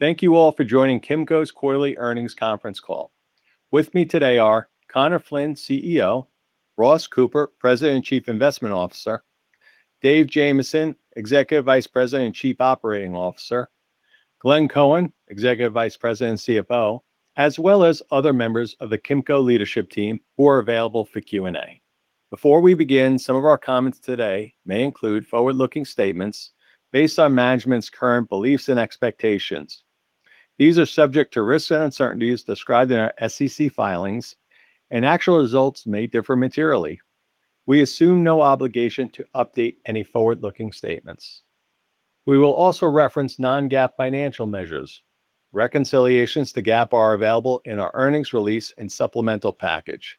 Thank you all for joining Kimco's quarterly earnings conference call. With me today are Conor Flynn, CEO; Ross Cooper, President and Chief Investment Officer; David Jamieson, Executive Vice President and Chief Operating Officer; Glenn Cohen, Executive Vice President and CFO, as well as other members of the Kimco leadership team who are available for Q&A. Before we begin, some of our comments today may include forward-looking statements based on management's current beliefs and expectations. These are subject to risks and uncertainties described in our SEC filings, and actual results may differ materially. We assume no obligation to update any forward-looking statements. We will also reference non-GAAP financial measures. Reconciliations to GAAP are available in our earnings release and supplemental package,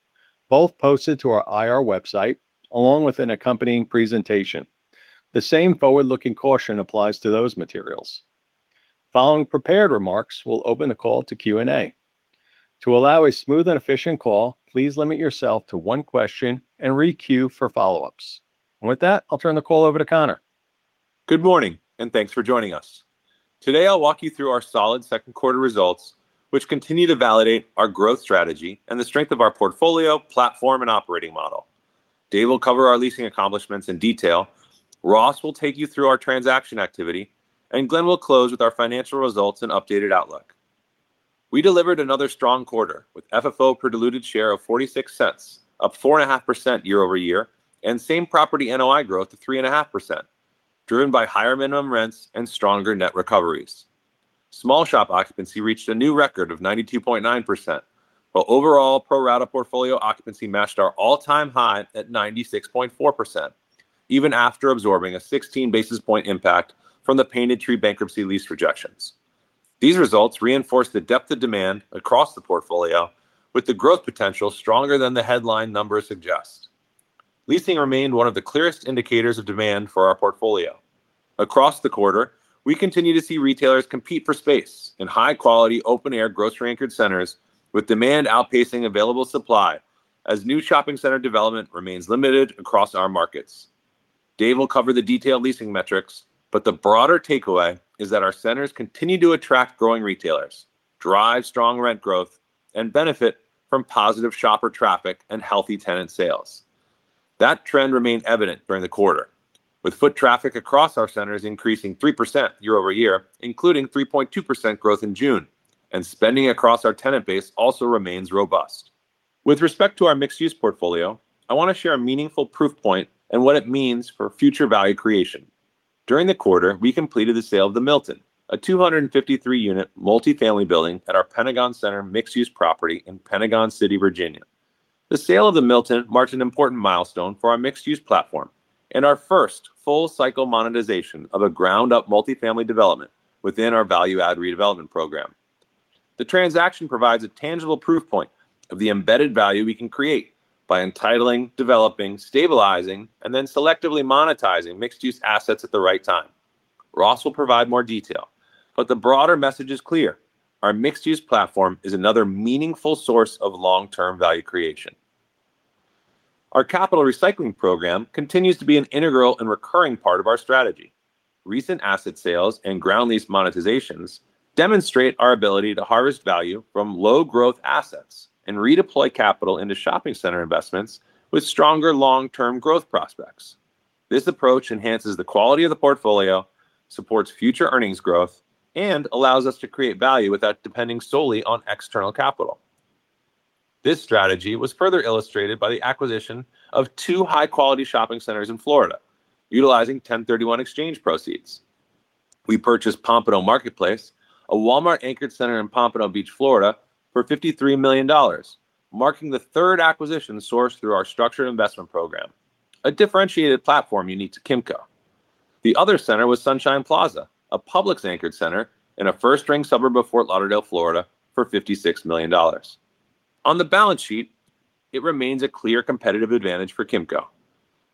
both posted to our IR website along with an accompanying presentation. The same forward-looking caution applies to those materials. Following prepared remarks, we'll open the call to Q&A. To allow a smooth and efficient call, please limit yourself to one question and re-queue for follow-ups. With that, I'll turn the call over to Conor. Good morning, thanks for joining us. Today, I'll walk you through our solid second quarter results, which continue to validate our growth strategy and the strength of our portfolio, platform, and operating model. Dave will cover our leasing accomplishments in detail. Ross will take you through our transaction activity, and Glenn will close with our financial results and updated outlook. We delivered another strong quarter with FFO per diluted share of $0.46, up 4.5% year-over-year, and same-property NOI growth of 3.5%, driven by higher minimum rents and stronger net recoveries. Small shop occupancy reached a new record of 92.9%, while overall pro-rata portfolio occupancy matched our all-time high at 96.4%, even after absorbing a 16 basis points impact from the Painted Tree bankruptcy lease rejections. These results reinforce the depth of demand across the portfolio, with the growth potential stronger than the headline numbers suggest. Leasing remained one of the clearest indicators of demand for our portfolio. Across the quarter, we continue to see retailers compete for space in high-quality, open-air grocery anchored centers with demand outpacing available supply as new shopping center development remains limited across our markets. Dave will cover the detailed leasing metrics, but the broader takeaway is that our centers continue to attract growing retailers, drive strong rent growth, and benefit from positive shopper traffic and healthy tenant sales. That trend remained evident during the quarter, with foot traffic across our centers increasing 3% year-over-year, including 3.2% growth in June, and spending across our tenant base also remains robust. With respect to our mixed-use portfolio, I want to share a meaningful proof point and what it means for future value creation. During the quarter, we completed the sale of The Milton, a 253-unit multi-family building at our Pentagon Centre mixed-use property in Pentagon City, Virginia. The sale of The Milton marks an important milestone for our mixed-use platform and our first full-cycle monetization of a ground-up multi-family development within our value-add redevelopment program. The transaction provides a tangible proof point of the embedded value we can create by entitling, developing, stabilizing, and then selectively monetizing mixed-use assets at the right time. Ross will provide more detail. The broader message is clear. Our mixed-use platform is another meaningful source of long-term value creation. Our capital recycling program continues to be an integral and recurring part of our strategy. Recent asset sales and ground lease monetization's demonstrate our ability to harvest value from low-growth assets and redeploy capital into shopping center investments with stronger long-term growth prospects. This approach enhances the quality of the portfolio, supports future earnings growth, and allows us to create value without depending solely on external capital. This strategy was further illustrated by the acquisition of two high-quality shopping centers in Florida, utilizing 1031 exchange proceeds. We purchased Pompano Marketplace, a Walmart-anchored center in Pompano Beach, Florida, for $53 million, marking the third acquisition sourced through our structured investment program, a differentiated platform unique to Kimco. The other center was Sunshine Plaza, a Publix-anchored center in a first-ring suburb of Fort Lauderdale, Florida, for $56 million. On the balance sheet, it remains a clear competitive advantage for Kimco.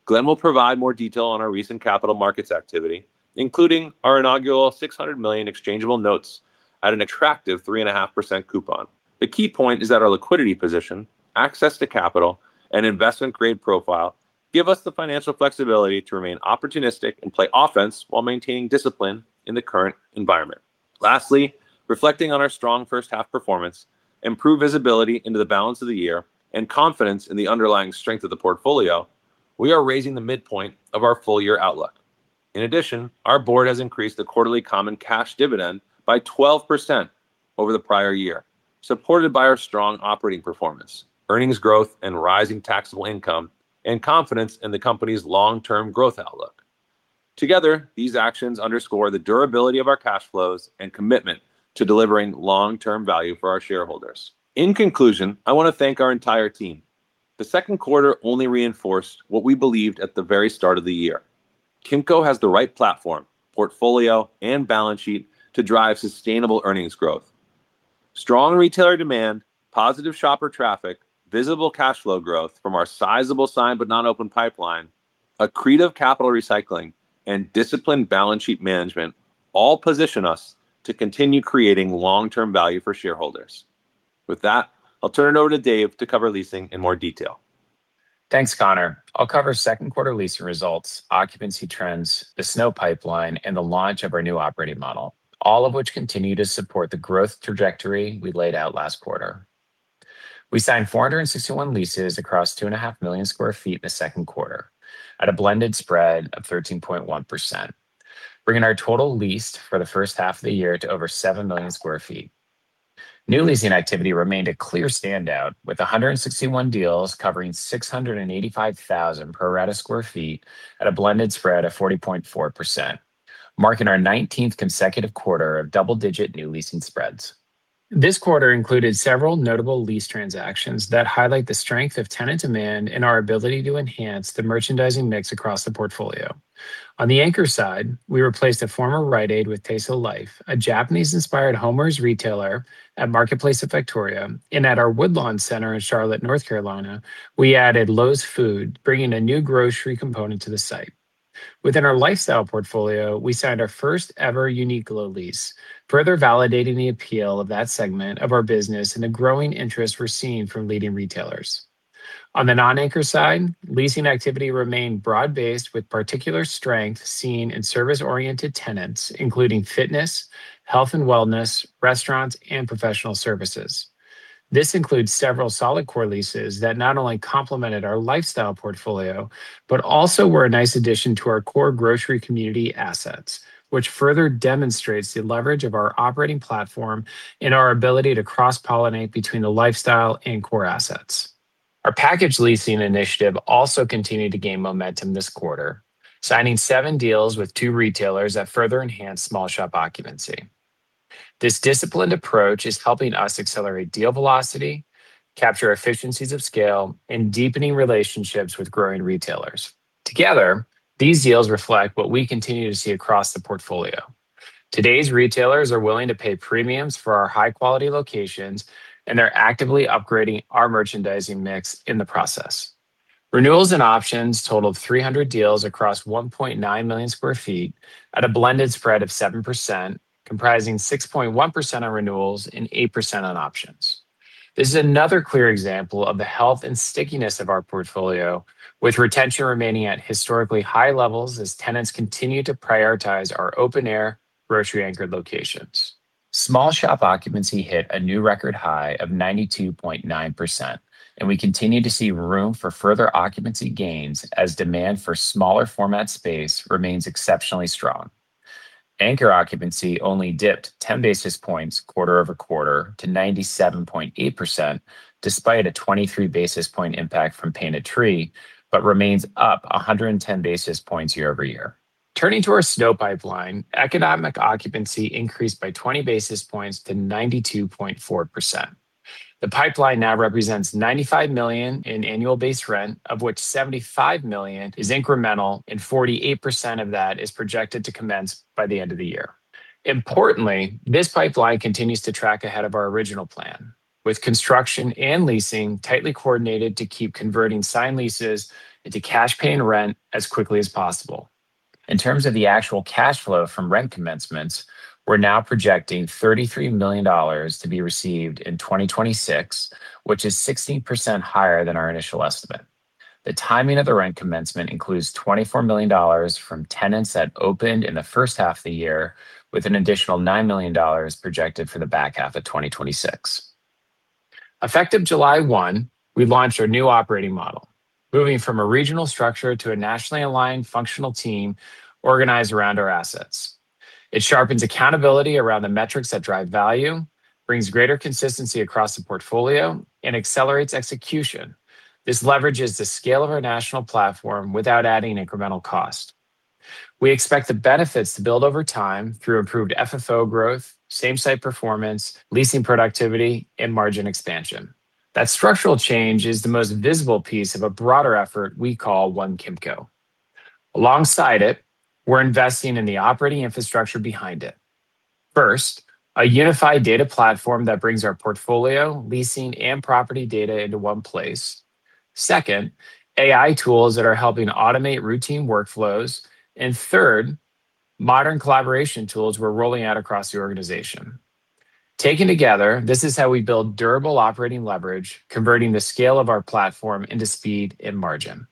Glenn will provide more detail on our recent capital markets activity, including our inaugural $600 million exchangeable notes at an attractive 3.5% coupon. The key point is that our liquidity position, access to capital, and investment-grade profile give us the financial flexibility to remain opportunistic and play offense while maintaining discipline in the current environment. Lastly, reflecting on our strong first-half performance, improved visibility into the balance of the year, and confidence in the underlying strength of the portfolio, we are raising the midpoint of our full-year outlook. In addition, our board has increased the quarterly common cash dividend by 12% over the prior year, supported by our strong operating performance, earnings growth and rising taxable income, and confidence in the company's long-term growth outlook. Together, these actions underscore the durability of our cash flows and commitment to delivering long-term value for our shareholders. In conclusion, I want to thank our entire team. The second quarter only reinforced what we believed at the very start of the year. Kimco has the right platform, portfolio, and balance sheet to drive sustainable earnings growth. Strong retailer demand, positive shopper traffic, visible cash flow growth from our sizable signed but not open pipeline, accretive capital recycling, and disciplined balance sheet management all position us to continue creating long-term value for shareholders. With that, I'll turn it over to Dave to cover leasing in more detail. Thanks, Conor. I'll cover second quarter leasing results, occupancy trends, the SNO pipeline, and the launch of our new operating model, all of which continue to support the growth trajectory we laid out last quarter. We signed 461 leases across 2.5 million square feet in the second quarter at a blended spread of 13.1%, bringing our total leased for the first half of the year to over 7 million square feet. New leasing activity remained a clear standout, with 161 deals covering 685,000 pro rata square feet at a blended spread of 40.4%, marking our 19th consecutive quarter of double-digit new leasing spreads. This quarter included several notable lease transactions that highlight the strength of tenant demand and our ability to enhance the merchandising mix across the portfolio. On the anchor side, we replaced a former Rite Aid with Teso Life, a Japanese-inspired home goods retailer at Marketplace of Victoria. At our Woodlawn Marketplace in Charlotte, North Carolina, we added Lowes Foods, bringing a new grocery component to the site. Within our lifestyle portfolio, we signed our first ever Uniqlo lease, further validating the appeal of that segment of our business and the growing interest we're seeing from leading retailers. On the non-anchor side, leasing activity remained broad-based with particular strength seen in service-oriented tenants, including fitness, health and wellness, restaurants, and professional services. This includes several solid core leases that not only complemented our lifestyle portfolio, but also were a nice addition to our core grocery community assets, which further demonstrates the leverage of our operating platform and our ability to cross-pollinate between the lifestyle and core assets. Our package leasing initiative also continued to gain momentum this quarter, signing seven deals with two retailers that further enhanced small shop occupancy. This disciplined approach is helping us accelerate deal velocity, capture efficiencies of scale, and deepening relationships with growing retailers. Together, these deals reflect what we continue to see across the portfolio. Today's retailers are willing to pay premiums for our high-quality locations, and they're actively upgrading our merchandising mix in the process. Renewals and options totaled 300 deals across 1.9 million square feet at a blended spread of 7%, comprising 6.1% on renewals and 8% on options. This is another clear example of the health and stickiness of our portfolio, with retention remaining at historically high levels as tenants continue to prioritize our open air grocery anchored locations. Small shop occupancy hit a new record high of 92.9%, and we continue to see room for further occupancy gains as demand for smaller format space remains exceptionally strong. Anchor occupancy only dipped 10 basis points quarter-over-quarter to 97.8%, despite a 23 basis point impact from Painted Tree, but remains up 110 basis points year-over-year. Turning to our SNO pipeline, economic occupancy increased by 20 basis points to 92.4%. The pipeline now represents $95 million in annual base rent, of which $75 million is incremental and 48% of that is projected to commence by the end of the year. Importantly, this pipeline continues to track ahead of our original plan, with construction and leasing tightly coordinated to keep converting signed leases into cash paying rent as quickly as possible. In terms of the actual cash flow from rent commencements, we are now projecting $33 million to be received in 2026, which is 16% higher than our initial estimate. The timing of the rent commencement includes $24 million from tenants that opened in the first half of the year, with an additional $9 million projected for the back half of 2026. Effective July 1, we launched our new operating model, moving from a regional structure to a nationally aligned functional team organized around our assets. It sharpens accountability around the metrics that drive value, brings greater consistency across the portfolio, and accelerates execution. This leverages the scale of our national platform without adding incremental cost. We expect the benefits to build over time through improved FFO growth, same-property performance, leasing productivity, and margin expansion. That structural change is the most visible piece of a broader effort we call One Kimco. Alongside it, we are investing in the operating infrastructure behind it. First, a unified data platform that brings our portfolio, leasing, and property data into one place. Second, AI tools that are helping automate routine workflows. Third, modern collaboration tools we are rolling out across the organization. Taken together, this is how we build durable operating leverage, converting the scale of our platform into speed and margin.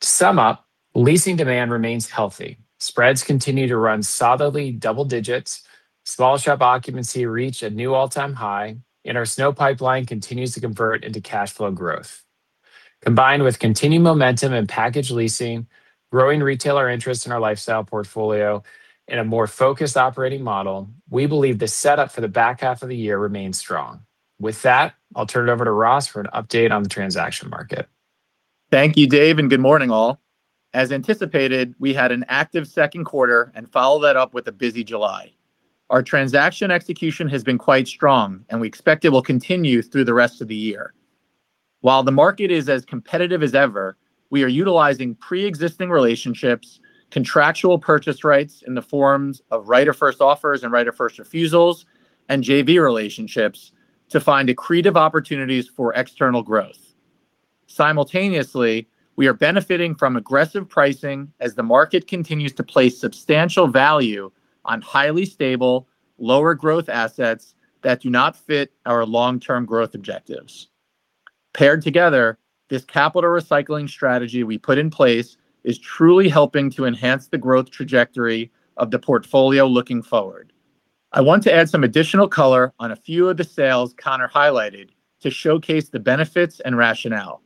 To sum up, leasing demand remains healthy. Spreads continue to run solidly double digits. Small shop occupancy reached a new all-time high, and our SNO pipeline continues to convert into cash flow growth. Combined with continued momentum in package leasing, growing retailer interest in our lifestyle portfolio, and a more focused operating model, we believe the setup for the back half of the year remains strong. With that, I will turn it over to Ross for an update on the transaction market. Thank you, Dave, and good morning all. As anticipated, we had an active second quarter and followed that up with a busy July. Our transaction execution has been quite strong and we expect it will continue through the rest of the year. While the market is as competitive as ever, we are utilizing preexisting relationships, contractual purchase rights in the forms of right of first offers and right of first refusals, and JV relationships to find accretive opportunities for external growth. Simultaneously, we are benefiting from aggressive pricing as the market continues to place substantial value on highly stable, lower growth assets that do not fit our long-term growth objectives. Paired together, this capital recycling strategy we put in place is truly helping to enhance the growth trajectory of the portfolio looking forward. I want to add some additional color on a few of the sales Conor highlighted to showcase the benefits and rationale.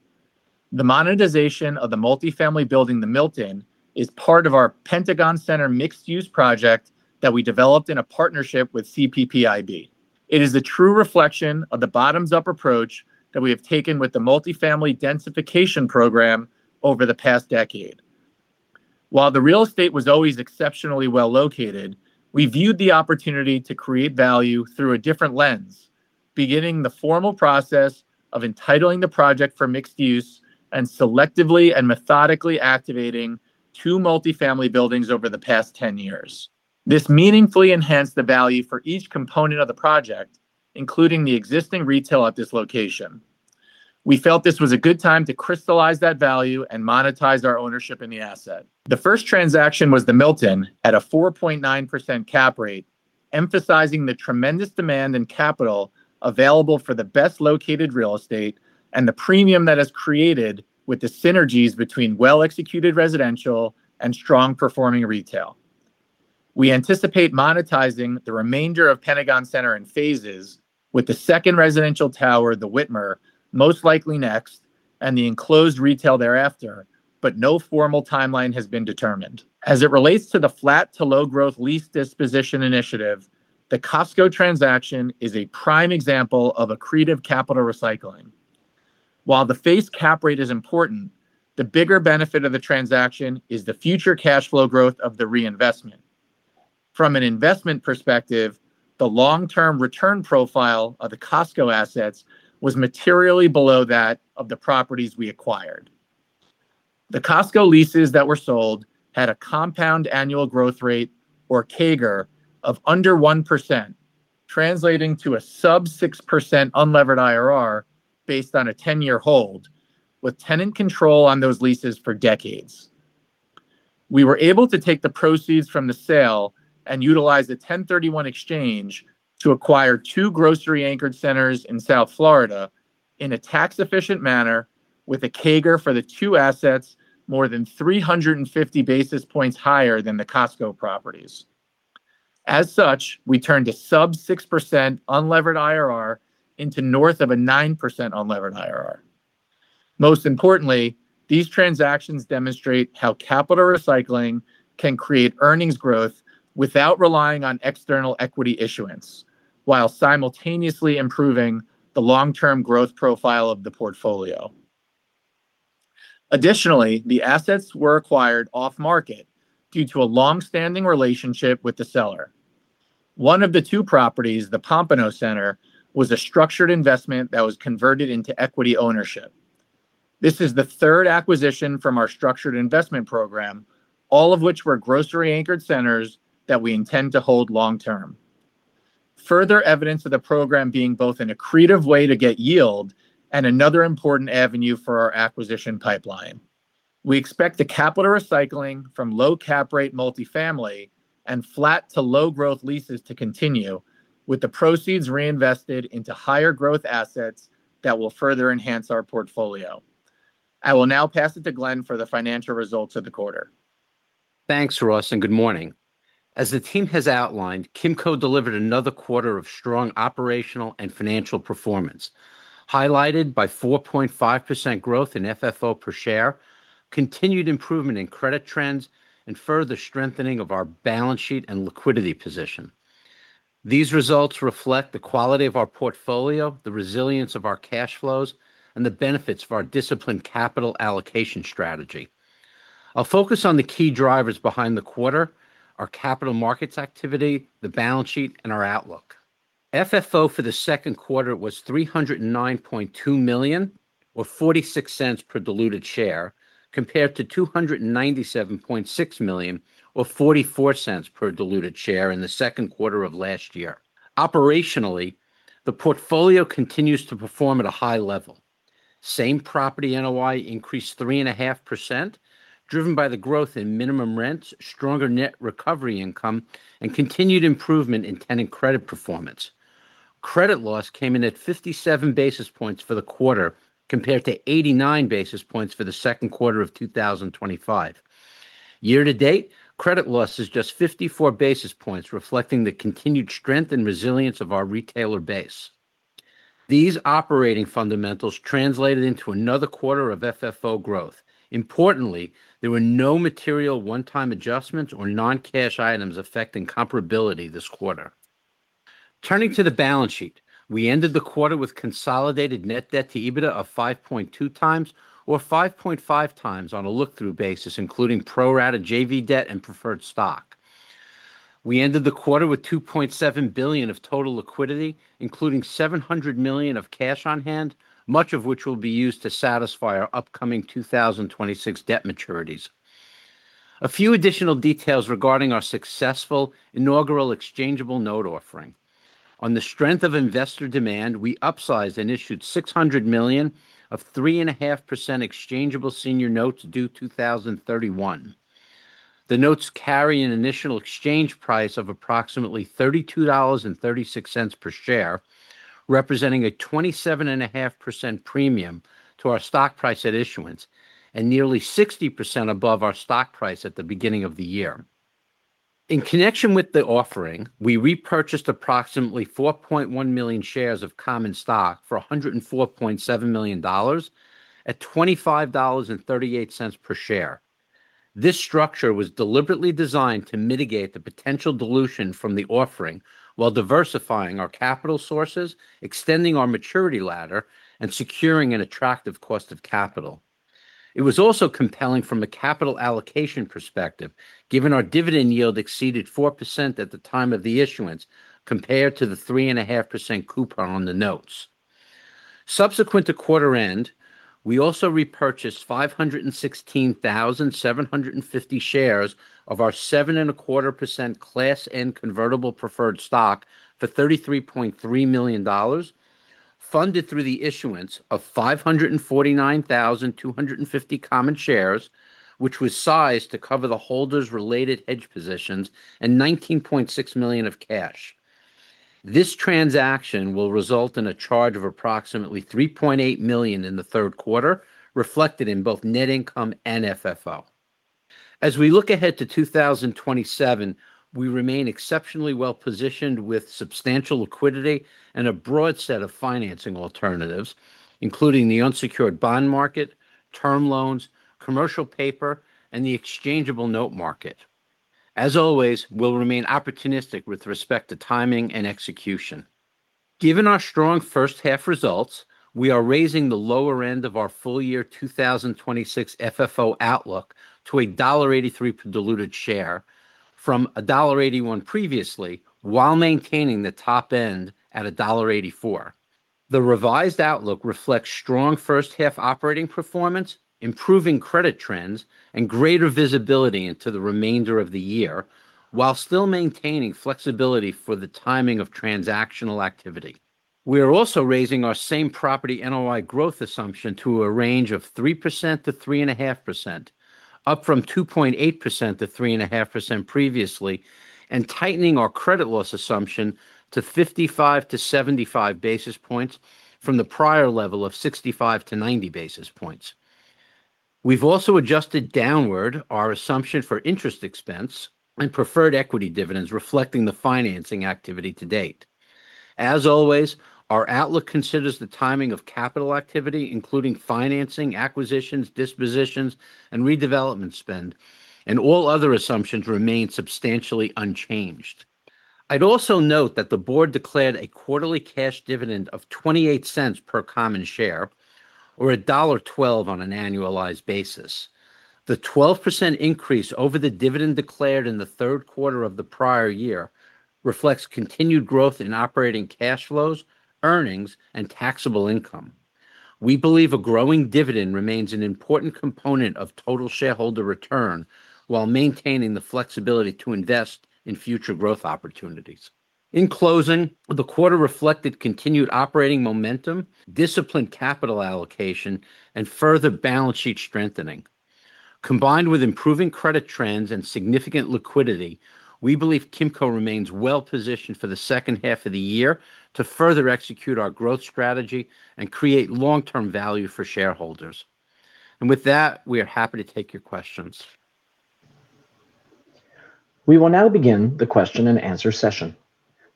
The monetization of the multifamily building The Milton is part of our Pentagon Centre mixed-use project that we developed in a partnership with CPPIB. It is a true reflection of the bottoms-up approach that we have taken with the multifamily densification program over the past 10 years. While the real estate was always exceptionally well-located, we viewed the opportunity to create value through a different lens, beginning the formal process of entitling the project for mixed use and selectively and methodically activating two multifamily buildings over the past 10 years. This meaningfully enhanced the value for each component of the project, including the existing retail at this location. We felt this was a good time to crystallize that value and monetize our ownership in the asset. The first transaction was The Milton at a 4.9% cap rate, emphasizing the tremendous demand in capital available for the best located real estate and the premium that is created with the synergies between well-executed residential and strong-performing retail. We anticipate monetizing the remainder of Pentagon Centre in phases with the second residential tower, The Witmer, most likely next, and the enclosed retail thereafter, but no formal timeline has been determined. As it relates to the flat to low growth lease disposition initiative, the Costco transaction is a prime example of accretive capital recycling. While the face cap rate is important, the bigger benefit of the transaction is the future cash flow growth of the reinvestment. From an investment perspective, the long-term return profile of the Costco assets was materially below that of the properties we acquired. The Costco leases that were sold had a compound annual growth rate, or CAGR, of under 1%, translating to a sub 6% unlevered IRR based on a 10-year hold, with tenant control on those leases for decades. We were able to take the proceeds from the sale and utilize the 1031 exchange to acquire two grocery-anchored centers in South Florida in a tax-efficient manner with a CAGR for the two assets more than 350 basis points higher than the Costco properties. As such, we turned a sub 6% unlevered IRR into north of a 9% unlevered IRR. Most importantly, these transactions demonstrate how capital recycling can create earnings growth without relying on external equity issuance, while simultaneously improving the long-term growth profile of the portfolio. Additionally, the assets were acquired off-market due to a long-standing relationship with the seller. One of the two properties, the Pompano Marketplace, was a structured investment that was converted into equity ownership. This is the third acquisition from our structured investment program, all of which were grocery-anchored centers that we intend to hold long term. Further evidence of the program being both an accretive way to get yield and another important avenue for our acquisition pipeline. We expect the capital recycling from low cap rate multifamily and flat to low growth leases to continue, with the proceeds reinvested into higher growth assets that will further enhance our portfolio. I will now pass it to Glenn for the financial results of the quarter. Thanks, Ross, and good morning. As the team has outlined, Kimco delivered another quarter of strong operational and financial performance, highlighted by 4.5% growth in FFO per share, continued improvement in credit trends, and further strengthening of our balance sheet and liquidity position. These results reflect the quality of our portfolio, the resilience of our cash flows, and the benefits of our disciplined capital allocation strategy. I'll focus on the key drivers behind the quarter, our capital markets activity, the balance sheet, and our outlook. FFO for the second quarter was $309.2 million, or $0.46 per diluted share, compared to $297.6 million, or $0.44 per diluted share in the second quarter of last year. Operationally, the portfolio continues to perform at a high level. Same-property NOI increased 3.5%, driven by the growth in minimum rents, stronger net recovery income, and continued improvement in tenant credit performance. Credit loss came in at 57 basis points for the quarter, compared to 89 basis points for the second quarter of 2025. Year to date, credit loss is just 54 basis points, reflecting the continued strength and resilience of our retailer base. These operating fundamentals translated into another quarter of FFO growth. Importantly, there were no material one-time adjustments or non-cash items affecting comparability this quarter. Turning to the balance sheet, we ended the quarter with consolidated net debt to EBITDA of 5.2 times or 5.5 times on a look-through basis, including pro-rata JV debt and preferred stock. We ended the quarter with $2.7 billion of total liquidity, including $700 million of cash on hand, much of which will be used to satisfy our upcoming 2026 debt maturities. A few additional details regarding our successful inaugural exchangeable note offering. On the strength of investor demand, we upsized and issued $600 million of 3.5% exchangeable senior notes due 2031. The notes carry an initial exchange price of approximately $32.36 per share, representing a 27.5% premium to our stock price at issuance and nearly 60% above our stock price at the beginning of the year. In connection with the offering, we repurchased approximately $4.1 million shares of common stock for $104.7 million at $25.38 per share. This structure was deliberately designed to mitigate the potential dilution from the offering while diversifying our capital sources, extending our maturity ladder, and securing an attractive cost of capital. It was also compelling from a capital allocation perspective, given our dividend yield exceeded 4% at the time of the issuance compared to the 3.5% coupon on the notes. Subsequent to quarter end, we also repurchased 516,750 shares of our 7.25% Class N Convertible Preferred Stock for $33.3 million, funded through the issuance of 549,250 common shares, which was sized to cover the holders' related hedge positions and $19.6 million of cash. This transaction will result in a charge of approximately $3.8 million in the third quarter, reflected in both net income and FFO. As we look ahead to 2027, we remain exceptionally well-positioned with substantial liquidity and a broad set of financing alternatives, including the unsecured bond market, term loans, commercial paper, and the exchangeable note market. As always, we'll remain opportunistic with respect to timing and execution. Given our strong first half results, we are raising the lower end of our full-year 2026 FFO outlook to $1.83 per diluted share from $1.81 previously, while maintaining the top end at $1.84. The revised outlook reflects strong first half operating performance, improving credit trends, and greater visibility into the remainder of the year while still maintaining flexibility for the timing of transactional activity. We are also raising our same-property NOI growth assumption to a range of 3%-3.5%, up from 2.8%-3.5% previously, and tightening our credit loss assumption to 55-75 basis points from the prior level of 65-90 basis points. We've also adjusted downward our assumption for interest expense and preferred equity dividends reflecting the financing activity to date. As always, our outlook considers the timing of capital activity, including financing, acquisitions, dispositions, and redevelopment spend, and all other assumptions remain substantially unchanged. I'd also note that the board declared a quarterly cash dividend of $0.28 per common share, or $1.12 on an annualized basis. The 12% increase over the dividend declared in the third quarter of the prior year reflects continued growth in operating cash flows, earnings, and taxable income. We believe a growing dividend remains an important component of total shareholder return while maintaining the flexibility to invest in future growth opportunities. In closing, the quarter reflected continued operating momentum, disciplined capital allocation, and further balance sheet strengthening. Combined with improving credit trends and significant liquidity, we believe Kimco remains well positioned for the second half of the year to further execute our growth strategy and create long-term value for shareholders. With that, we are happy to take your questions. We will now begin the question and answer session.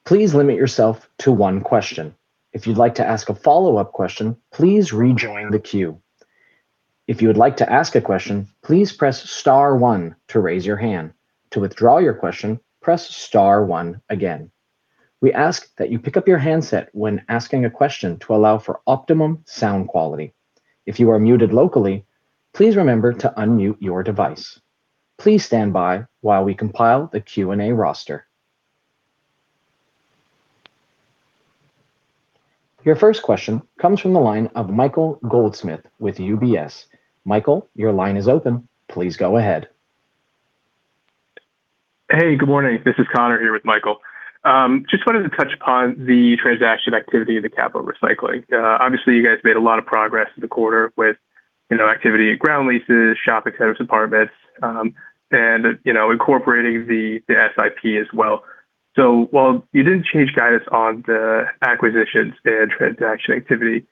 Please limit yourself to one question. If you'd like to ask a follow-up question, please rejoin the queue. If you would like to ask a question, please press star one to raise your hand. To withdraw your question, press star one again. We ask that you pick up your handset when asking a question to allow for optimum sound quality. If you are muted locally, please remember to unmute your device. Please stand by while we compile the Q&A roster. Your first question comes from the line of Michael Goldsmith with UBS. Michael, your line is open. Please go ahead. Hey, good morning. This is Conor here with Michael. Just wanted to touch upon the transaction activity of the capital recycling. Obviously, you guys made a lot of progress in the quarter with activity at ground leases, shop executions apartments, and incorporating the SIP as well. While you didn't change guidance on the acquisitions and transaction activity,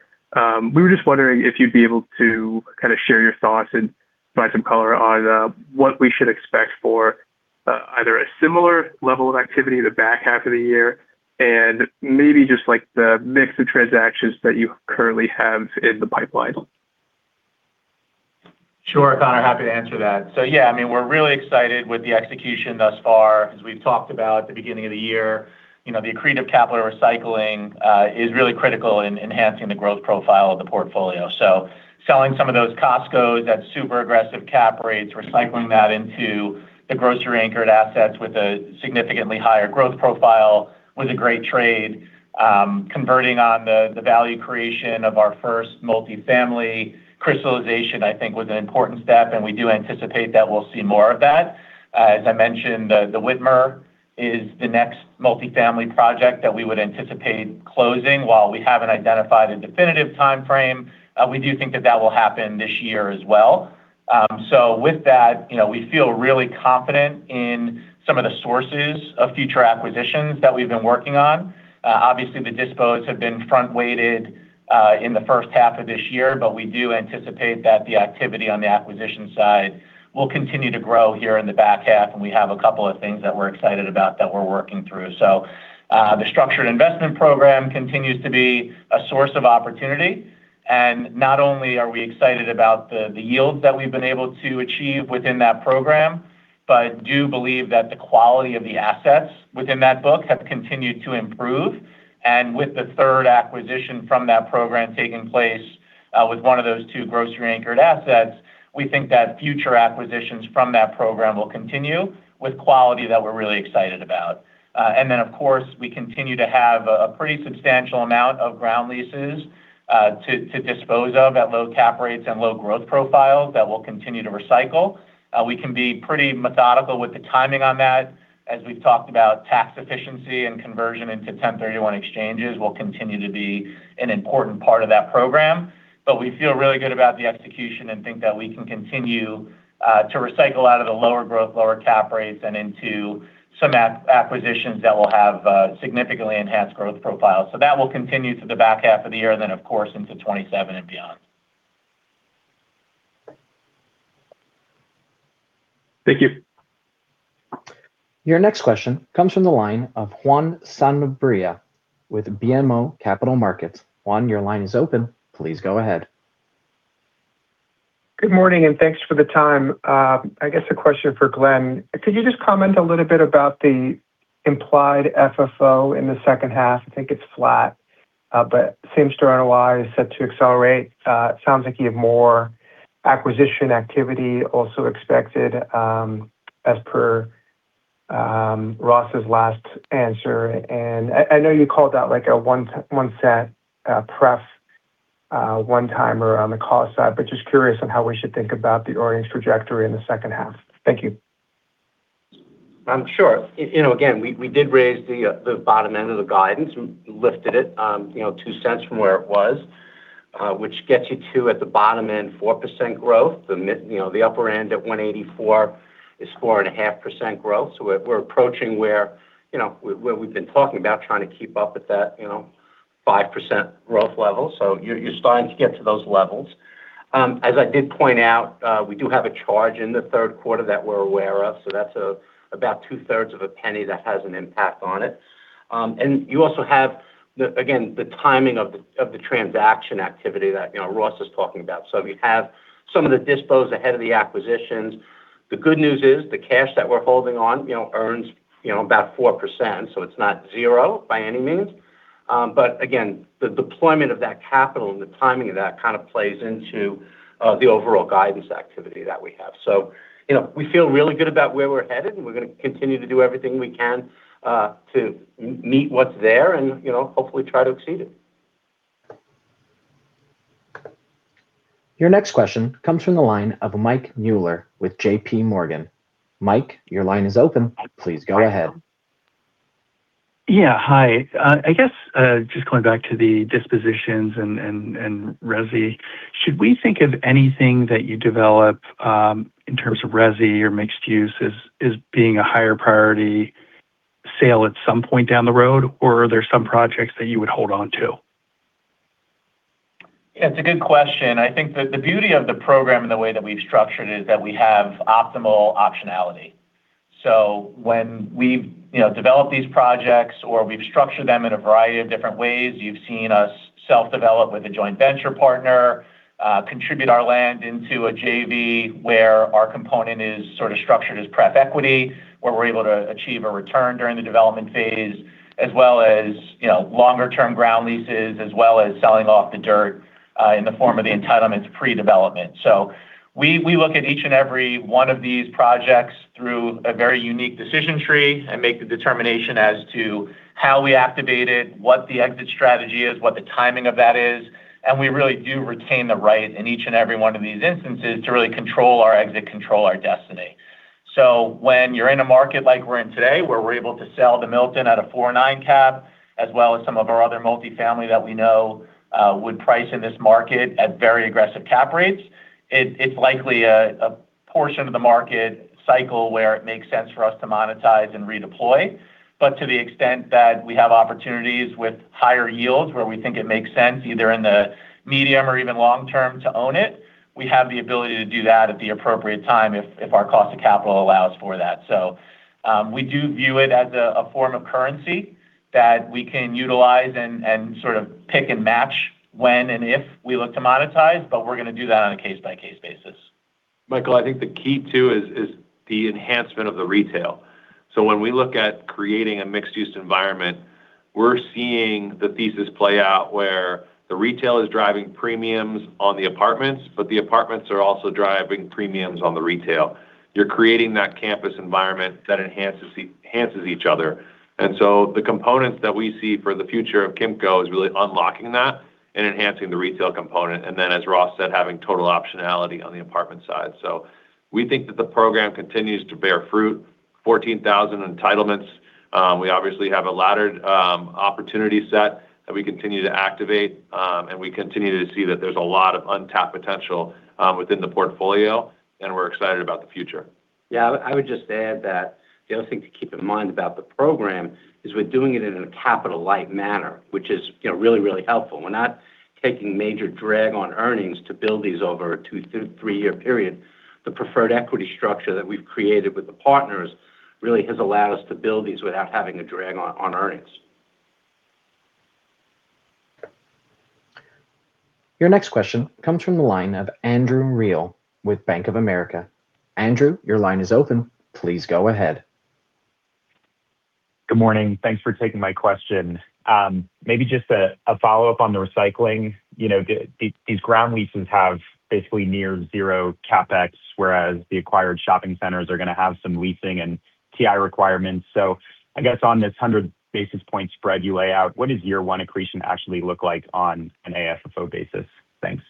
we were just wondering if you'd be able to kind of share your thoughts and provide some color on what we should expect for either a similar level of activity in the back half of the year and maybe just like the mix of transactions that you currently have in the pipeline. Sure, Conor. Happy to answer that. Yeah, we're really excited with the execution thus far. As we've talked about at the beginning of the year, the accretive capital recycling is really critical in enhancing the growth profile of the portfolio. Selling some of those Costcos at super aggressive cap rates, recycling that into the grocery anchored assets with a significantly higher growth profile was a great trade. Converting on the value creation of our first multifamily crystallization, I think was an important step. We do anticipate that we'll see more of that. As I mentioned, The Witmer is the next multifamily project that we would anticipate closing. While we haven't identified a definitive timeframe, we do think that that will happen this year as well. With that, we feel really confident in some of the sources of future acquisitions that we've been working on. Obviously, the dispo's have been front-weighted in the first half of this year, but we do anticipate that the activity on the acquisition side will continue to grow here in the back half, and we have a couple of things that we're excited about that we're working through. The Structured Investment Program continues to be a source of opportunity. Not only are we excited about the yields that we've been able to achieve within that program, but do believe that the quality of the assets within that book have continued to improve. With the third acquisition from that program taking place with one of those two grocery anchored assets, we think that future acquisitions from that program will continue with quality that we're really excited about. Then, of course, we continue to have a pretty substantial amount of ground leases to dispose of at low cap rates and low growth profiles that will continue to recycle. We can be pretty methodical with the timing on that. As we've talked about tax efficiency and conversion into 1031 exchanges will continue to be an important part of that program. We feel really good about the execution and think that we can continue to recycle out of the lower growth, lower cap rates, and into some acquisitions that will have significantly enhanced growth profiles. That will continue to the back half of the year and then, of course, into 2027 and beyond. Thank you. Your next question comes from the line of Juan Sanabria with BMO Capital Markets. Juan, your line is open. Please go ahead. Good morning. Thanks for the time. I guess a question for Glenn. Could you just comment a little bit about the implied FFO in the second half? I think it's flat. Seems to NOI is set to accelerate. Sounds like you have more acquisition activity also expected, as per Ross's last answer. I know you called out a $0.01 pref one-timer on the cost side, but just curious on how we should think about the earnings trajectory in the second half. Thank you. Sure. Again, we did raise the bottom end of the guidance, lifted it $0.02 from where it was, which gets you to, at the bottom end, 4% growth. The upper end at $1.84 is 4.5% growth. We're approaching where we've been talking about trying to keep up with that 5% growth level. You're starting to get to those levels. As I did point out, we do have a charge in the third quarter that we're aware of, that's about two-thirds of a penny that has an impact on it. You also have, again, the timing of the transaction activity that Ross was talking about. You have some of the dispos ahead of the acquisitions. The good news is the cash that we're holding on earns about 4%, it's not zero by any means. Again, the deployment of that capital and the timing of that kind of plays into the overall guidance activity that we have. We feel really good about where we're headed, and we're going to continue to do everything we can to meet what's there and hopefully try to exceed it. Your next question comes from the line of Mike Mueller with JPMorgan. Mike, your line is open. Please go ahead. Yeah. Hi. I guess, just going back to the dispositions and resi. Should we think of anything that you develop, in terms of resi or mixed use, as being a higher priority sale at some point down the road, or are there some projects that you would hold on to? It's a good question. I think that the beauty of the program and the way that we've structured it is that we have optimal optionality. When we've developed these projects, or we've structured them in a variety of different ways, you've seen us self-develop with a joint venture partner, contribute our land into a JV where our component is sort of structured as pref equity, where we're able to achieve a return during the development phase, as well as longer term ground leases, as well as selling off the dirt in the form of the entitlements pre-development. We look at each and every one of these projects through a very unique decision tree and make the determination as to how we activate it, what the exit strategy is, what the timing of that is. We really do retain the right in each and every one of these instances to really control our exit, control our destiny. When you're in a market like we're in today, where we're able to sell The Milton at a 4.9 cap, as well as some of our other multifamily that we know would price in this market at very aggressive cap rates, it's likely a portion of the market cycle where it makes sense for us to monetize and redeploy. To the extent that we have opportunities with higher yields where we think it makes sense, either in the medium or even long term to own it, we have the ability to do that at the appropriate time if our cost of capital allows for that. We do view it as a form of currency that we can utilize and sort of pick and match when and if we look to monetize, but we're going to do that on a case-by-case basis. Michael, I think the key too is the enhancement of the retail. When we look at creating a mixed-use environment, we're seeing the thesis play out where the retail is driving premiums on the apartments, but the apartments are also driving premiums on the retail. You're creating that campus environment that enhances each other. The components that we see for the future of Kimco is really unlocking that and enhancing the retail component, and then, as Ross said, having total optionality on the apartment side. We think that the program continues to bear fruit, 14,000 entitlements. We obviously have a laddered opportunity set that we continue to activate, and we continue to see that there's a lot of untapped potential within the portfolio, and we're excited about the future. Yeah, I would just add that the other thing to keep in mind about the program is we're doing it in a capital-light manner, which is really, really helpful. We're not taking major drag on earnings to build these over a two- to three-year period. The preferred equity structure that we've created with the partners really has allowed us to build these without having a drag on earnings. Your next question comes from the line of Andrew Reale with Bank of America. Andrew, your line is open. Please go ahead. Good morning. Thanks for taking my question. Maybe just a follow-up on the recycling. These ground leases have basically near zero CapEx, whereas the acquired shopping centers are going to have some leasing and TI requirements. I guess on this 100 basis point spread you lay out, what does year one accretion actually look like on an AFFO basis? Thanks.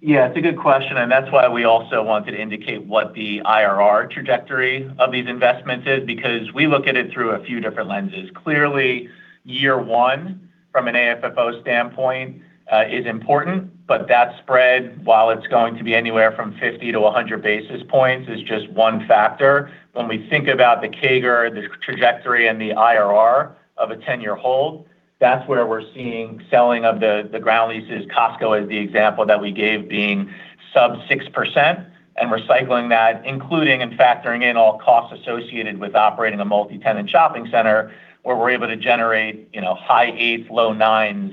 Yeah. It's a good question, that's why we also wanted to indicate what the IRR trajectory of these investments is because we look at it through a few different lenses. Clearly, year one from an AFFO standpoint is important, that spread, while it's going to be anywhere from 50 to 100 basis points, is just one factor. When we think about the CAGR, the trajectory, and the IRR of a 10-year hold, that's where we're seeing selling of the ground leases, Costco as the example that we gave being sub 6%, and recycling that, including and factoring in all costs associated with operating a multi-tenant shopping center, where we're able to generate high eights, low nines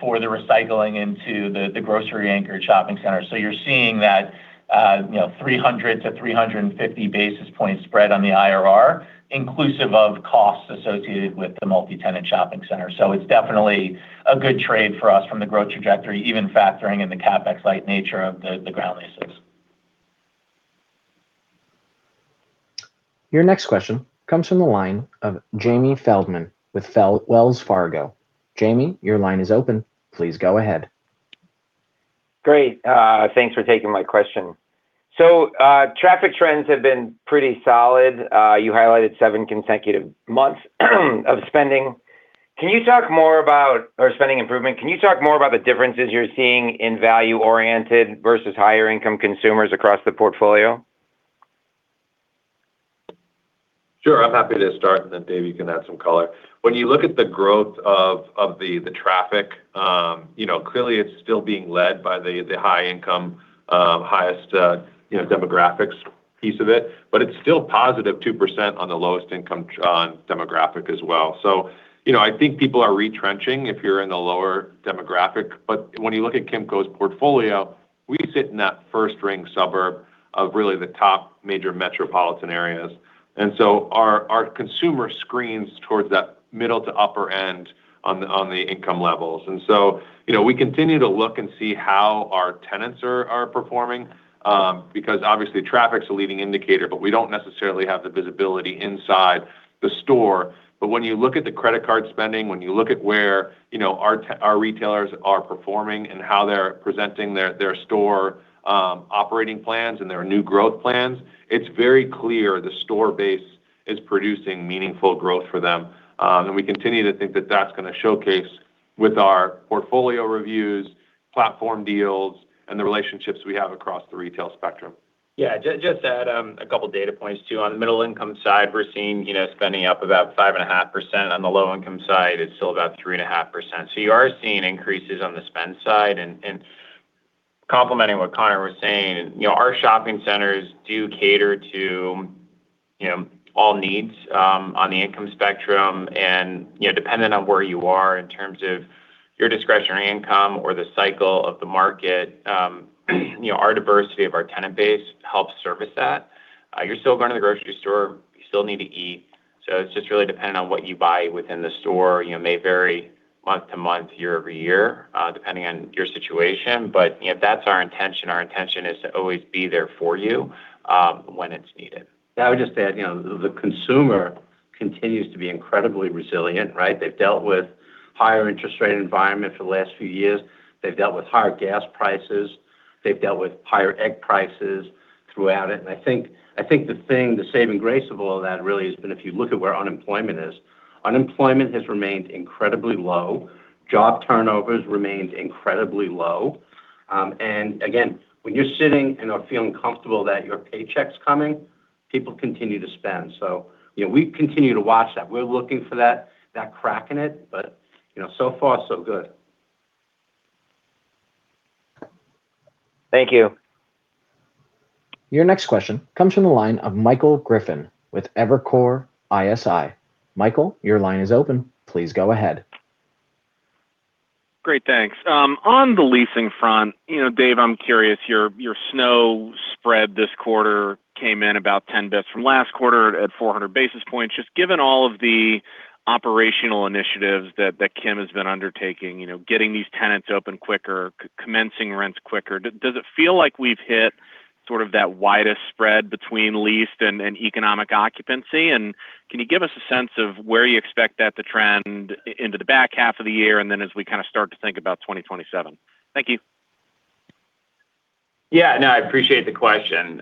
for the recycling into the grocery anchor shopping center. You're seeing that 300 to 350 basis point spread on the IRR inclusive of costs associated with the multi-tenant shopping center. It's definitely a good trade for us from the growth trajectory, even factoring in the CapEx-like nature of the ground leases. Your next question comes from the line of Jamie Feldman with Wells Fargo. Jamie, your line is open. Please go ahead. Great. Thanks for taking my question. Traffic trends have been pretty solid. You highlighted seven consecutive months of spending. Or spending improvement. Can you talk more about the differences you're seeing in value-oriented versus higher income consumers across the portfolio? Sure. I'm happy to start, and then Dave, you can add some color. When you look at the growth of the traffic, clearly it's still being led by the high income, highest demographics piece of it, but it's still positive 2% on the lowest income on demographic as well. I think people are retrenching if you're in the lower demographic. When you look at Kimco's portfolio, we sit in that first-ring suburb of really the top major metropolitan areas. Our consumer screens towards that middle to upper end on the income levels. We continue to look and see how our tenants are performing because obviously traffic's a leading indicator, but we don't necessarily have the visibility inside the store. When you look at the credit card spending, when you look at where our retailers are performing and how they're presenting their store operating plans and their new growth plans, it's very clear the store base is producing meaningful growth for them. We continue to think that that's going to showcase with our portfolio reviews, platform deals, and the relationships we have across the retail spectrum. Yeah. Just to add a couple data points too. On the middle income side, we're seeing spending up about 5.5%. On the low income side, it's still about 3.5%. You are seeing increases on the spend side. Complementing what Conor was saying, our shopping centers do cater to all needs on the income spectrum. Dependent on where you are in terms of your discretionary income or the cycle of the market, our diversity of our tenant base helps service that. You're still going to the grocery store, you still need to eat, so it's just really dependent on what you buy within the store. It may vary month-to-month, year-over-year, depending on your situation. That's our intention. Our intention is to always be there for you when it's needed. Yeah, I would just add, the consumer continues to be incredibly resilient, right? They've dealt with higher interest rate environment for the last few years. They've dealt with higher gas prices. They've dealt with higher egg prices throughout it. I think the thing, the saving grace of all of that really has been if you look at where unemployment is. Unemployment has remained incredibly low. Job turnovers remained incredibly low. Again, when you're sitting and are feeling comfortable that your paycheck's coming, people continue to spend. We continue to watch that. We're looking for that crack in it. So far so good. Thank you. Your next question comes from the line of Michael Griffin with Evercore ISI. Michael, your line is open. Please go ahead. Great. Thanks. On the leasing front, Dave, I'm curious, your SNO spread this quarter came in about 10 basis points from last quarter at 400 basis points. Just given all of the operational initiatives that Kim has been undertaking, getting these tenants open quicker, commencing rents quicker, does it feel like we've hit sort of that widest spread between leased and economic occupancy? Can you give us a sense of where you expect that to trend into the back half of the year, and then as we kind of start to think about 2027? Thank you. I appreciate the question.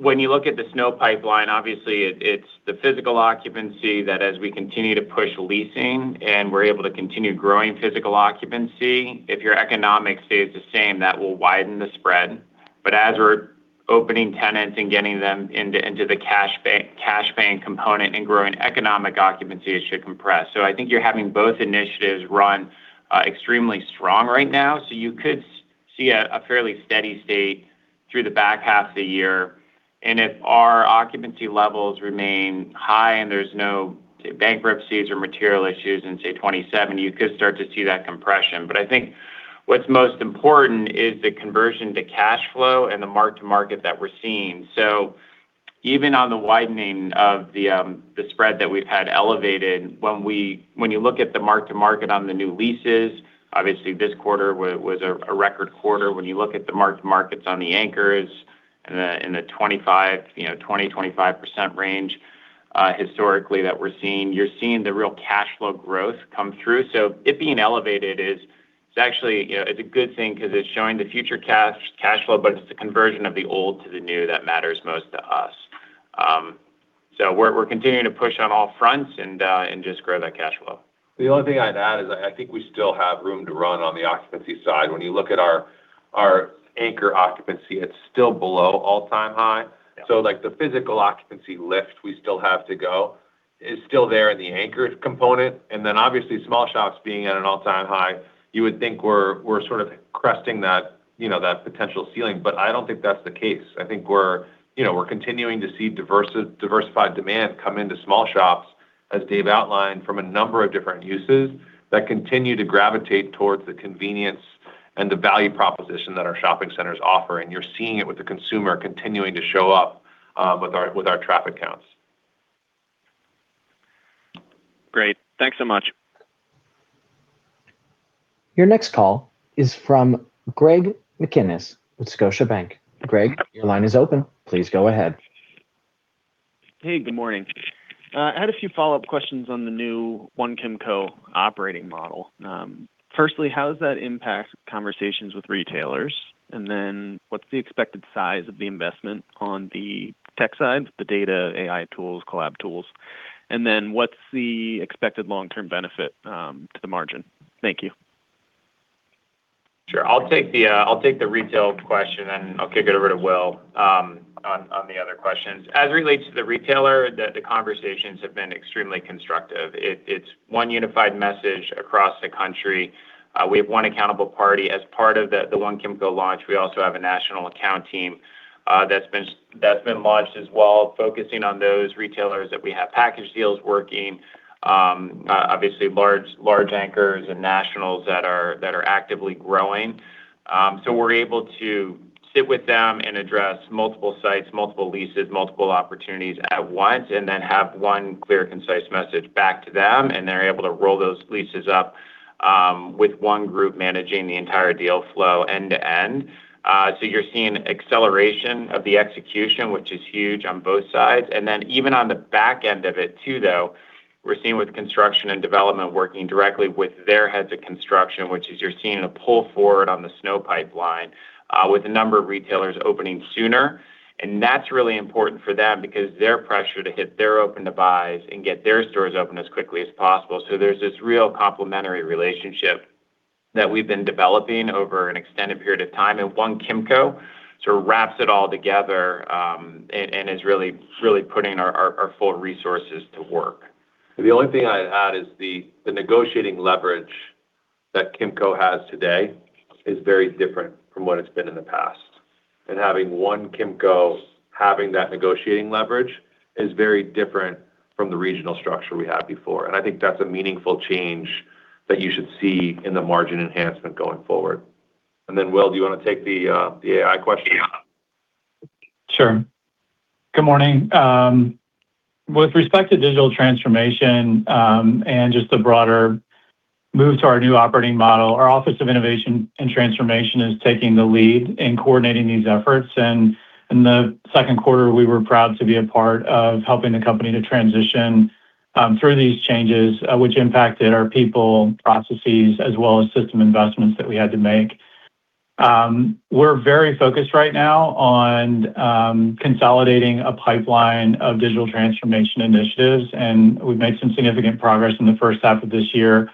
When you look at the SNO pipeline, obviously it's the physical occupancy that as we continue to push leasing and we're able to continue growing physical occupancy, if your economic stays the same, that will widen the spread. As we're opening tenants and getting them into the cash paying component and growing economic occupancy, it should compress. I think you're having both initiatives run extremely strong right now. You could see a fairly steady state through the back half of the year, and if our occupancy levels remain high and there's no bankruptcies or material issues in, say, 2027, you could start to see that compression. I think what's most important is the conversion to cash flow and the mark-to-market that we're seeing. Even on the widening of the spread that we've had elevated, when you look at the mark-to-market on the new leases, obviously this quarter was a record quarter. When you look at the mark-to-markets on the anchors in the 20%-25% range historically that we're seeing, you're seeing the real cash flow growth come through. It being elevated is actually a good thing because it's showing the future cash flow, it's the conversion of the old to the new that matters most to us. We're continuing to push on all fronts and just grow that cash flow. The only thing I'd add is I think we still have room to run on the occupancy side. When you look at our anchor occupancy, it's still below all-time high. The physical occupancy lift we still have to go is still there in the anchors component, obviously small shops being at an all-time high, you would think we're sort of cresting that potential ceiling. I don't think that's the case. I think we're continuing to see diversified demand come into small shops, as Dave outlined, from a number of different uses that continue to gravitate towards the convenience and the value proposition that our shopping centers offer, and you're seeing it with the consumer continuing to show up with our traffic counts. Great. Thanks so much. Your next call is from Greg McGinniss with Scotiabank. Greg, your line is open. Please go ahead. Hey, good morning. I had a few follow-up questions on the new One Kimco operating model. Firstly, how does that impact conversations with retailers? What's the expected size of the investment on the tech side, the data, AI tools, collab tools? What's the expected long-term benefit to the margin? Thank you. Sure. I'll take the retail question, and I'll kick it over to Will on the other questions. As it relates to the retailer, the conversations have been extremely constructive. It's one unified message across the country. We have one accountable party. As part of the One Kimco launch, we also have a national account team that's been launched as well, focusing on those retailers that we have package deals working, obviously large anchors and nationals that are actively growing. We're able to sit with them and address multiple sites, multiple leases, multiple opportunities at once, and then have one clear, concise message back to them, and they're able to roll those leases up with one group managing the entire deal flow end to end. You're seeing acceleration of the execution, which is huge on both sides. We're seeing with construction and development working directly with their heads of construction, which is you're seeing a pull forward on the SNO pipeline with a number of retailers opening sooner. That's really important for them because they're pressured to hit their open to buys and get their stores open as quickly as possible. There's this real complementary relationship that we've been developing over an extended period of time, and One Kimco sort of wraps it all together and is really putting our full resources to work. The only thing I'd add is the negotiating leverage that Kimco has today is very different from what it's been in the past. Having One Kimco having that negotiating leverage is very different from the regional structure we had before. I think that's a meaningful change that you should see in the margin enhancement going forward. Will, do you want to take the AI question? Sure. Good morning. With respect to digital transformation and just the broader move to our new operating model, our Office of Innovation and Transformation is taking the lead in coordinating these efforts. In the second quarter, we were proud to be a part of helping the company to transition through these changes, which impacted our people, processes, as well as system investments that we had to make. We're very focused right now on consolidating a pipeline of digital transformation initiatives, and we've made some significant progress in the first half of this year,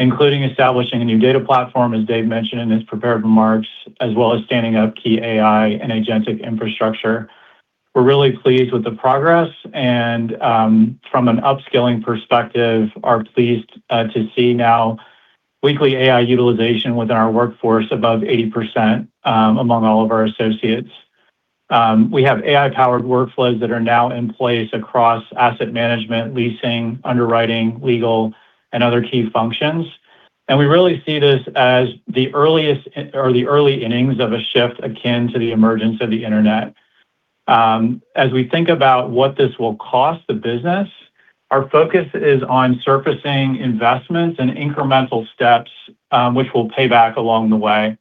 including establishing a new data platform, as Dave mentioned in his prepared remarks, as well as standing up key AI and agentic infrastructure. We're really pleased with the progress and from an upskilling perspective, are pleased to see now weekly AI utilization within our workforce above 80% among all of our associates. We have AI-powered workflows that are now in place across asset management, leasing, underwriting, legal, and other key functions. We really see this as the early innings of a shift akin to the emergence of the Internet. As we think about what this will cost the business, our focus is on surfacing investments and incremental steps which will pay back along the way.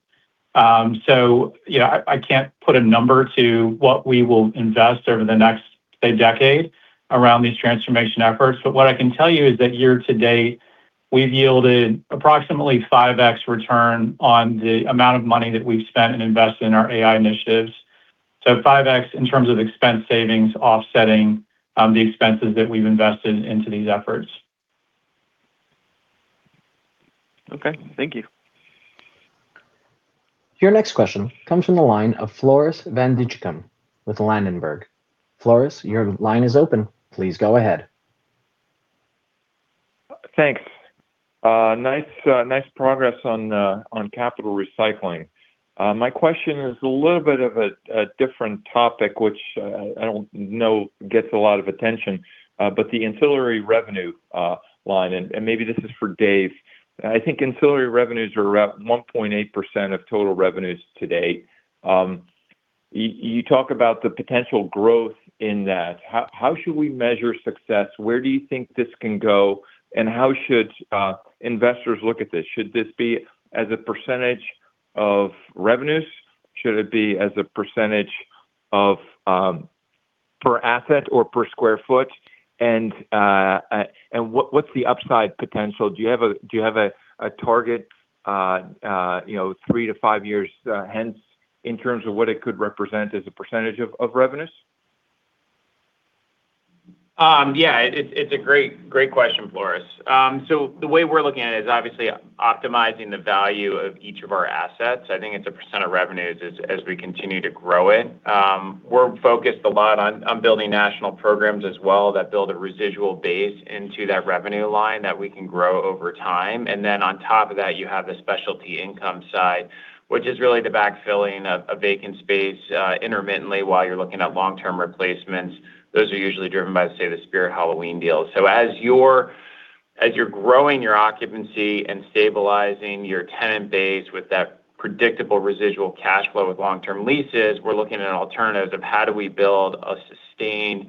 Yeah, I can't put a number to what we will invest over the next, say, decade around these transformation efforts. But what I can tell you is that year to date, we've yielded approximately 5X return on the amount of money that we've spent and invested in our AI initiatives. 5X in terms of expense savings offsetting the expenses that we've invested into these efforts. Okay. Thank you. Your next question comes from the line of Floris van Dijkum with Ladenburg. Floris, your line is open. Go ahead. Thanks. Nice progress on capital recycling. My question is a little bit of a different topic, which I don't know gets a lot of attention. The ancillary revenue line, and maybe this is for Dave. I think ancillary revenues are around 1.8% of total revenues today. You talk about the potential growth in that. How should we measure success? Where do you think this can go, and how should investors look at this? Should this be as a % of revenues? Should it be as a % per asset or per square foot? What's the upside potential? Do you have a target three to five years hence in terms of what it could represent as a % of revenues? Yeah, it's a great question, Floris. The way we're looking at it is obviously optimizing the value of each of our assets. I think it's a % of revenues as we continue to grow it. We're focused a lot on building national programs as well that build a residual base into that revenue line that we can grow over time. Then on top of that, you have the specialty income side, which is really the backfilling of a vacant space intermittently while you're looking at long-term replacements. Those are usually driven by, say, the Spirit Halloween deals. As you're growing your occupancy and stabilizing your tenant base with that predictable residual cash flow with long-term leases, we're looking at alternatives of how do we build a sustained,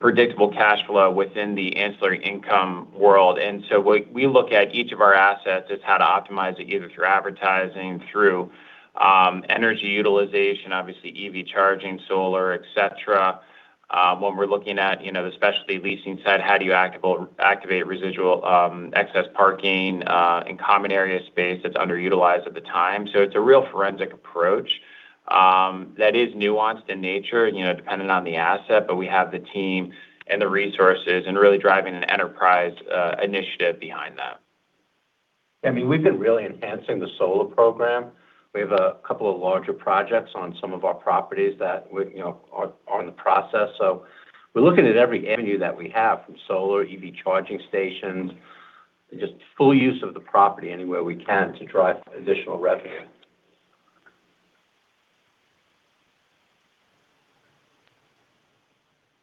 predictable cash flow within the ancillary income world. We look at each of our assets as how to optimize it, either through advertising, through energy utilization, obviously EV charging, solar, et cetera. When we're looking at the specialty leasing side, how do you activate residual excess parking and common area space that's underutilized at the time? It's a real forensic approach that is nuanced in nature dependent on the asset. We have the team and the resources, and really driving an enterprise initiative behind that. I mean, we've been really enhancing the solar program. We have a couple of larger projects on some of our properties that are in the process. We're looking at every avenue that we have, from solar, EV charging stations, just full use of the property anywhere we can to drive additional revenue.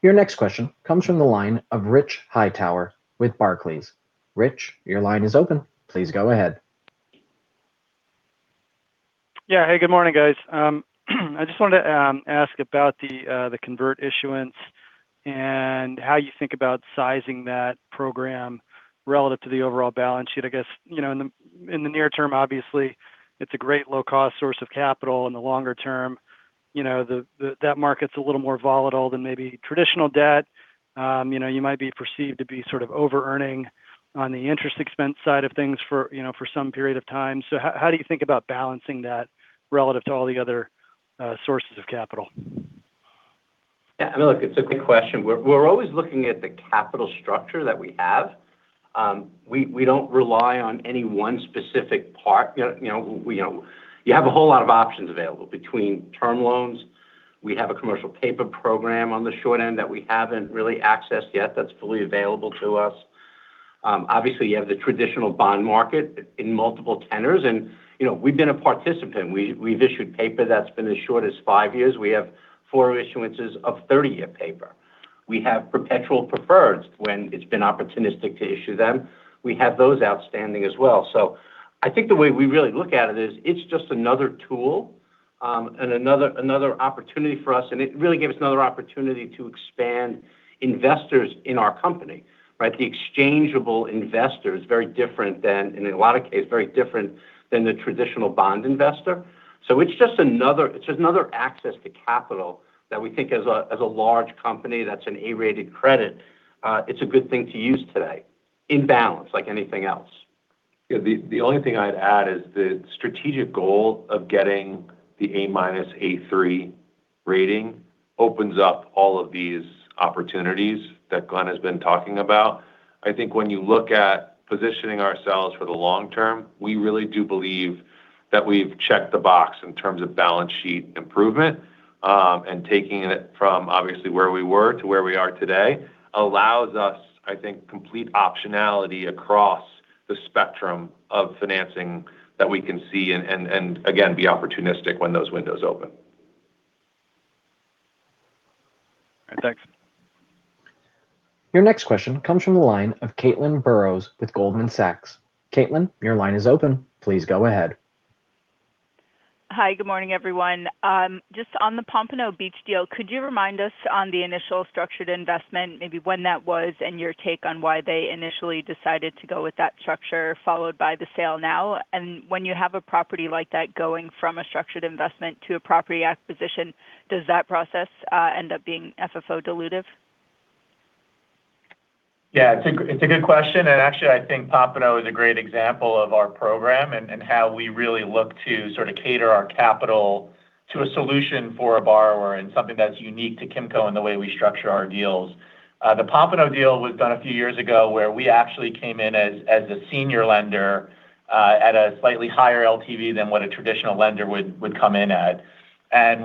Your next question comes from the line of Rich Hightower with Barclays. Rich, your line is open. Please go ahead. Yeah. Hey, good morning, guys. I just wanted to ask about the convert issuance and how you think about sizing that program relative to the overall balance sheet. I guess, in the near term, obviously, it's a great low-cost source of capital. In the longer term, that market's a little more volatile than maybe traditional debt. You might be perceived to be sort of overearning on the interest expense side of things for some period of time. How do you think about balancing that relative to all the other sources of capital? Yeah, I mean, look, it's a good question. We're always looking at the capital structure that we have. We don't rely on any one specific part. You have a whole lot of options available between term loans. We have a commercial paper program on the short end that we haven't really accessed yet, that's fully available to us. You have the traditional bond market in multiple tenors, and we've been a participant. We've issued paper that's been as short as five years. We have four issuances of 30-year paper. We have perpetual preferred when it's been opportunistic to issue them. We have those outstanding as well. I think the way we really look at it is, it's just another tool, and another opportunity for us, and it really gives us another opportunity to expand investors in our company, right? The exchangeable investor is very different than, in a lot of cases, very different than the traditional bond investor. It's just another access to capital that we think as a large company that's an A-rated credit it's a good thing to use today. In balance, like anything else. Yeah. The only thing I'd add is the strategic goal of getting the A-minus/A3 rating opens up all of these opportunities that Glenn has been talking about. I think when you look at positioning ourselves for the long term, we really do believe that we've checked the box in terms of balance sheet improvement. Taking it from obviously where we were to where we are today allows us, I think, complete optionality across the spectrum of financing that we can see, again, be opportunistic when those windows open. Thanks. Your next question comes from the line of Caitlin Burrows with Goldman Sachs. Caitlin, your line is open. Please go ahead. Hi. Good morning, everyone. Just on the Pompano Beach deal, could you remind us on the initial structured investment, maybe when that was, and your take on why they initially decided to go with that structure followed by the sale now? When you have a property like that going from a structured investment to a property acquisition, does that process end up being FFO dilutive? Yeah. It's a good question, and actually, I think Pompano is a great example of our program and how we really look to sort of cater our capital to a solution for a borrower and something that's unique to Kimco in the way we structure our deals. The Pompano deal was done a few years ago, where we actually came in as the senior lender at a slightly higher LTV than what a traditional lender would come in at.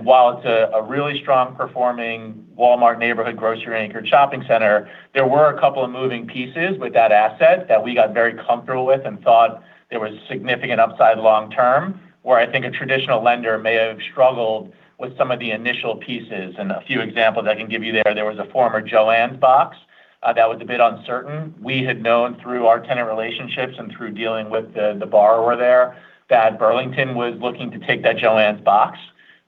While it's a really strong performing Walmart neighborhood grocery anchored shopping center, there were a couple of moving pieces with that asset that we got very comfortable with and thought there was significant upside long term, where I think a traditional lender may have struggled with some of the initial pieces. A few examples I can give you there was a former Joann box that was a bit uncertain. We had known through our tenant relationships and through dealing with the borrower there that Burlington was looking to take that Joann box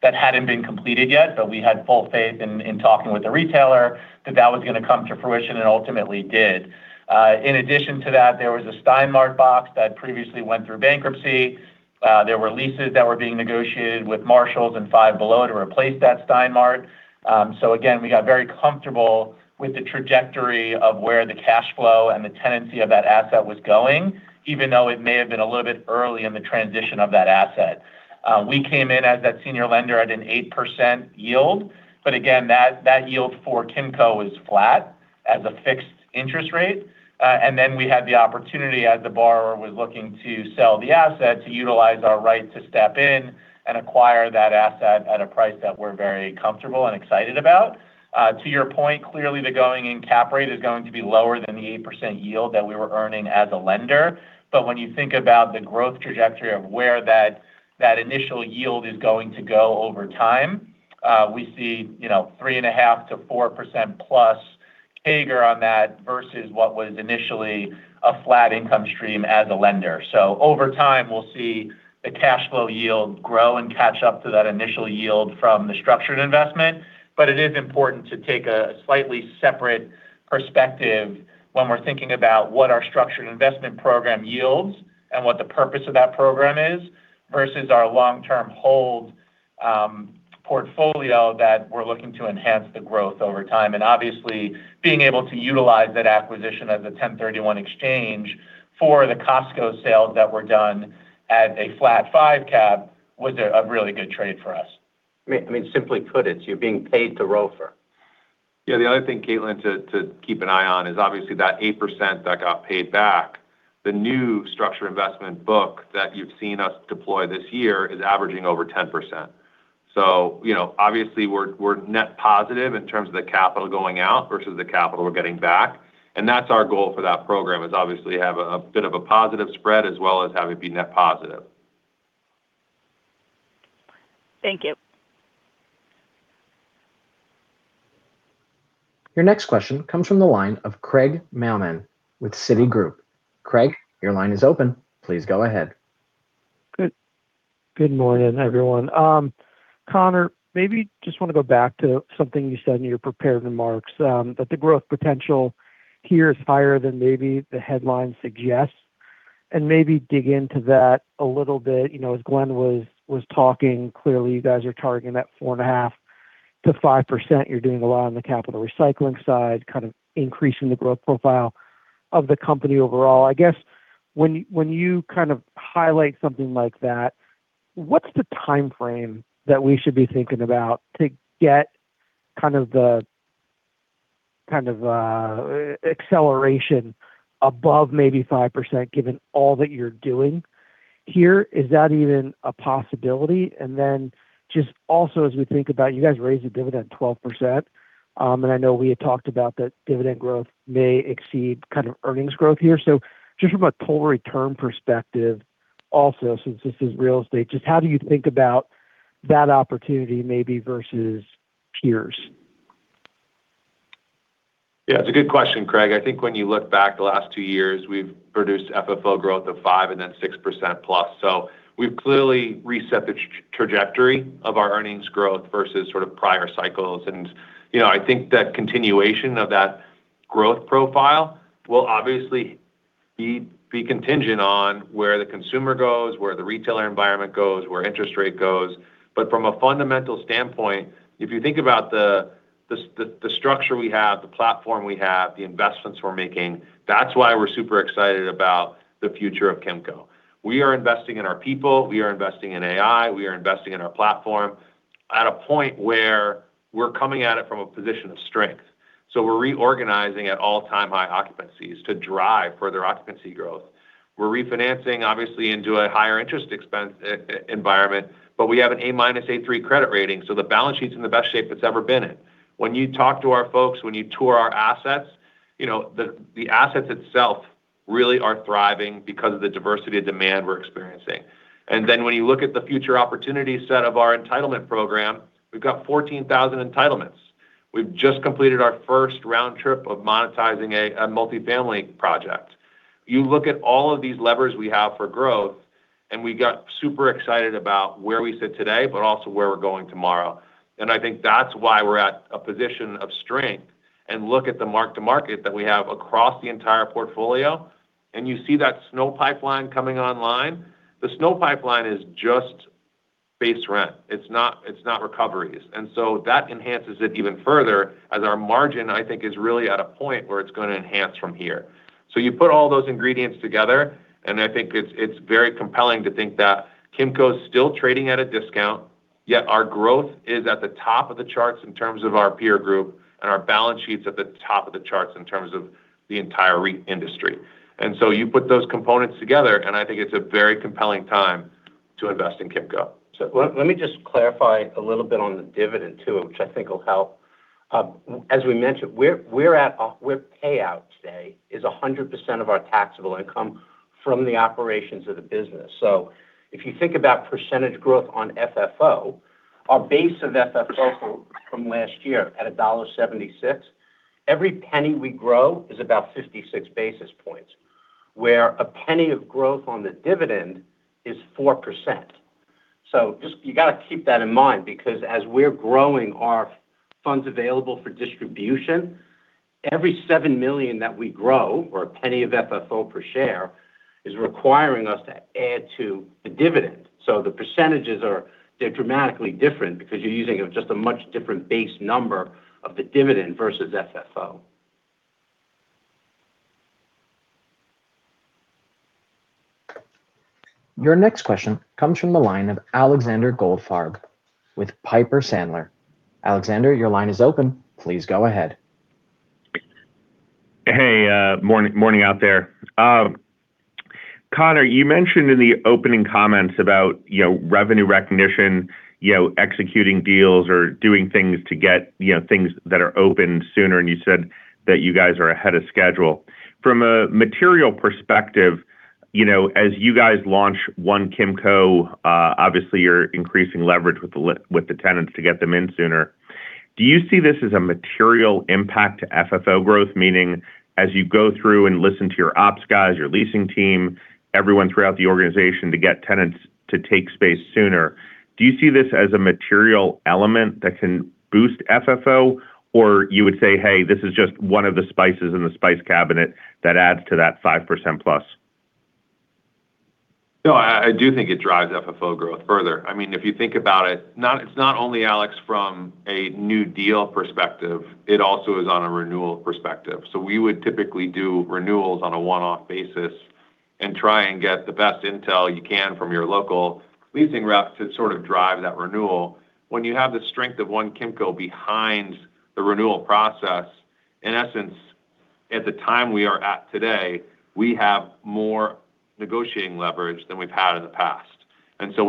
that hadn't been completed yet. We had full faith in talking with the retailer that that was going to come to fruition and ultimately did. In addition to that, there was a Stein Mart box that previously went through bankruptcy. There were leases that were being negotiated with Marshalls and Five Below to replace that Stein Mart. Again, we got very comfortable with the trajectory of where the cash flow and the tenancy of that asset was going, even though it may have been a little bit early in the transition of that asset. We came in as that senior lender at an 8% yield, again, that yield for Kimco is flat as a fixed interest rate. Then we had the opportunity as the borrower was looking to sell the asset to utilize our right to step in and acquire that asset at a price that we're very comfortable and excited about. To your point, clearly the going-in cap rate is going to be lower than the 8% yield that we were earning as a lender. When you think about the growth trajectory of where that initial yield is going to go over time, we see 3.5%-4%+ CAGR on that versus what was initially a flat income stream as a lender. Over time, we'll see the cash flow yield grow and catch up to that initial yield from the structured investment. It is important to take a slightly separate perspective when we're thinking about what our structured investment program yields and what the purpose of that program is, versus our long-term hold portfolio that we're looking to enhance the growth over time. Obviously, being able to utilize that acquisition as a 1031 exchange for the Costco sales that were done at a flat 5 cap was a really good trade for us. I mean, simply put it, you're being paid to ROFR. The other thing, Caitlin, to keep an eye on is obviously that 8% that got paid back. The new structure investment book that you've seen us deploy this year is averaging over 10%. Obviously we're net positive in terms of the capital going out versus the capital we're getting back, and that's our goal for that program is obviously have a bit of a positive spread as well as have it be net positive. Thank you. Your next question comes from the line of Craig Mailman with Citigroup. Craig, your line is open. Please go ahead. Good morning, everyone. Conor, maybe just want to go back to something you said in your prepared remarks, that the growth potential here is higher than maybe the headline suggests, and maybe dig into that a little bit. As Glenn was talking, clearly you guys are targeting that 4.5%-5%. You're doing a lot on the capital recycling side, kind of increasing the growth profile of the company overall. I guess when you kind of highlight something like that, what's the timeframe that we should be thinking about to get kind of the acceleration above maybe 5%, given all that you're doing here? Is that even a possibility? Just also as we think about you guys raised the dividend 12%, and I know we had talked about that dividend growth may exceed kind of earnings growth here. Just from a total return perspective also, since this is real estate, just how do you think about that opportunity maybe versus peers? Yeah. It's a good question, Craig. I think when you look back the last two years, we've produced FFO growth of 5% and then 6%+. We've clearly reset the trajectory of our earnings growth versus sort of prior cycles, and I think that continuation of that growth profile will obviously be contingent on where the consumer goes, where the retailer environment goes, where interest rate goes. But from a fundamental standpoint, if you think about the structure we have, the platform we have, the investments we're making, that's why we're super excited about the future of Kimco. We are investing in our people, we are investing in AI, we are investing in our platform at a point where we're coming at it from a position of strength. We're reorganizing at all-time high occupancies to drive further occupancy growth. We're refinancing obviously into a higher interest expense environment, but we have an A-minus/A3 credit rating, so the balance sheet's in the best shape it's ever been in. When you talk to our folks, when you tour our assets, the assets itself really are thriving because of the diversity of demand we're experiencing. When you look at the future opportunity set of our entitlement program, we've got 14,000 entitlements. We've just completed our first round trip of monetizing a multi-family project. You look at all of these levers we have for growth, and we got super excited about where we sit today, but also where we're going tomorrow. I think that's why we're at a position of strength. Look at the mark-to-market that we have across the entire portfolio, and you see that SNO pipeline coming online. The SNO pipeline is just base rent. It's not recoveries. That enhances it even further as our margin, I think, is really at a point where it's going to enhance from here. You put all those ingredients together, and I think it's very compelling to think that Kimco's still trading at a discount, yet our growth is at the top of the charts in terms of our peer group, and our balance sheet's at the top of the charts in terms of the entire REIT industry. You put those components together, and I think it's a very compelling time to invest in Kimco. Let me just clarify a little bit on the dividend too, which I think will help. As we mentioned, where payout today is 100% of our taxable income from the operations of the business. If you think about percentage growth on FFO, our base of FFO from last year at $1.76, every penny we grow is about 56 basis points, where a penny of growth on the dividend is 4%. Just you got to keep that in mind, because as we're growing our funds available for distribution, every $7 million that we grow, or a penny of FFO per share, is requiring us to add to the dividend. The percentages are dramatically different because you're using just a much different base number of the dividend versus FFO. Your next question comes from the line of Alexander Goldfarb with Piper Sandler. Alexander, your line is open. Please go ahead. Hey, morning out there. Conor, you mentioned in the opening comments about revenue recognition, executing deals, or doing things to get things that are open sooner, and you said that you guys are ahead of schedule. From a material perspective, as you guys launch One Kimco, obviously you're increasing leverage with the tenants to get them in sooner. Do you see this as a material impact to FFO growth? Meaning as you go through and listen to your ops guys, your leasing team, everyone throughout the organization to get tenants to take space sooner, do you see this as a material element that can boost FFO? Or you would say, "Hey, this is just one of the spices in the spice cabinet that adds to that 5% plus. I do think it drives FFO growth further. If you think about it's not only, Alex, from a new deal perspective, it also is on a renewal perspective. We would typically do renewals on a one-off basis and try and get the best intel you can from your local leasing rep to sort of drive that renewal. When you have the strength of One Kimco behind the renewal process, in essence, at the time we are at today, we have more negotiating leverage than we've had in the past.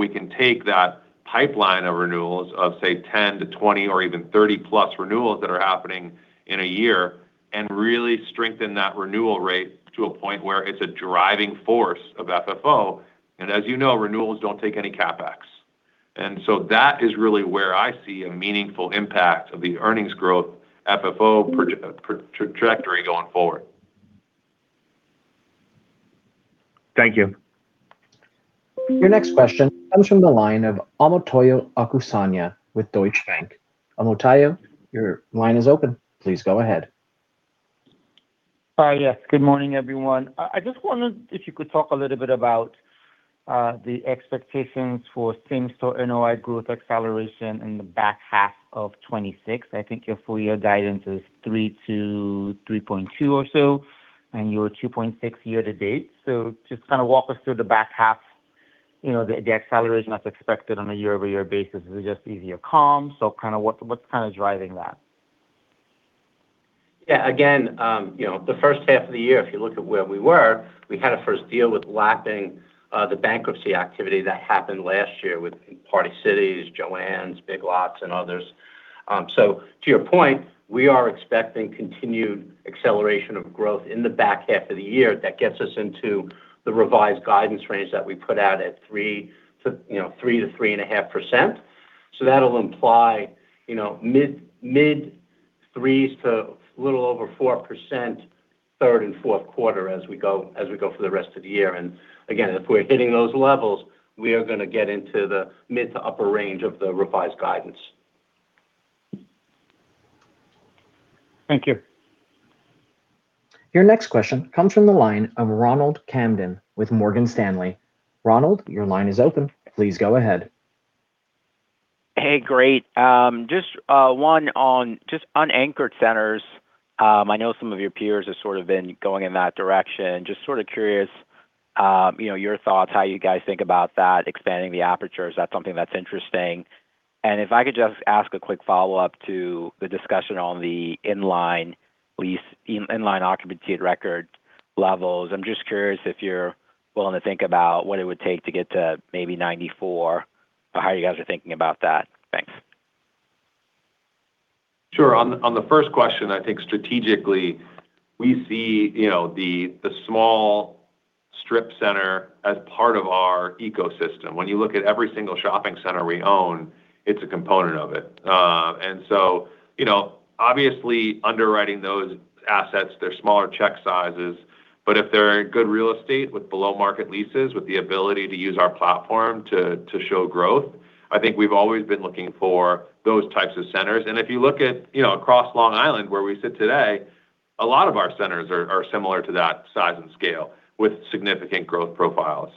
We can take that pipeline of renewals of, say, 10 to 20 or even 30-plus renewals that are happening in a year and really strengthen that renewal rate to a point where it's a driving force of FFO. As you know, renewals don't take any CapEx. That is really where I see a meaningful impact of the earnings growth FFO trajectory going forward. Thank you. Your next question comes from the line of Omotayo Okusanya with Deutsche Bank. Omotayo, your line is open. Please go ahead. Hi, yes. Good morning, everyone. I just wondered if you could talk a little bit about the expectations for Same-property NOI growth acceleration in the back half of 2026. I think your full year guidance is 3%-3.2% or so, and you are 2.6% year-over-year to date. Just kind of walk us through the back half, the acceleration that is expected on a year-over-year basis. Is it just easier comms? What is kind of driving that? Yeah. The first half of the year, if you look at where we were, we had to first deal with lapping the bankruptcy activity that happened last year with Party City, Joann, Big Lots, and others. To your point, we are expecting continued acceleration of growth in the back half of the year that gets us into the revised guidance range that we put out at 3%-3.5%. That'll imply mid threes to a little over 4% third and fourth quarter as we go through the rest of the year. Again, if we're hitting those levels, we are going to get into the mid to upper range of the revised guidance. Thank you. Your next question comes from the line of Ronald Kamdem with Morgan Stanley. Ronald, your line is open. Please go ahead. Hey, great. Just one on unanchored centers. I know some of your peers have sort of been going in that direction. Just curious your thoughts, how you guys think about that, expanding the apertures. Is that something that's interesting? If I could just ask a quick follow-up to the discussion on the inline occupancy at record levels. I'm just curious if you're willing to think about what it would take to get to maybe 94%, or how you guys are thinking about that. Thanks. Sure. On the first question, I think strategically, we see the small strip center as part of our ecosystem. When you look at every single shopping center we own, it's a component of it. Obviously underwriting those assets, they're smaller check sizes, but if they're in good real estate with below-market leases, with the ability to use our platform to show growth, I think we've always been looking for those types of centers. If you look at across Long Island, where we sit today, a lot of our centers are similar to that size and scale, with significant growth profiles.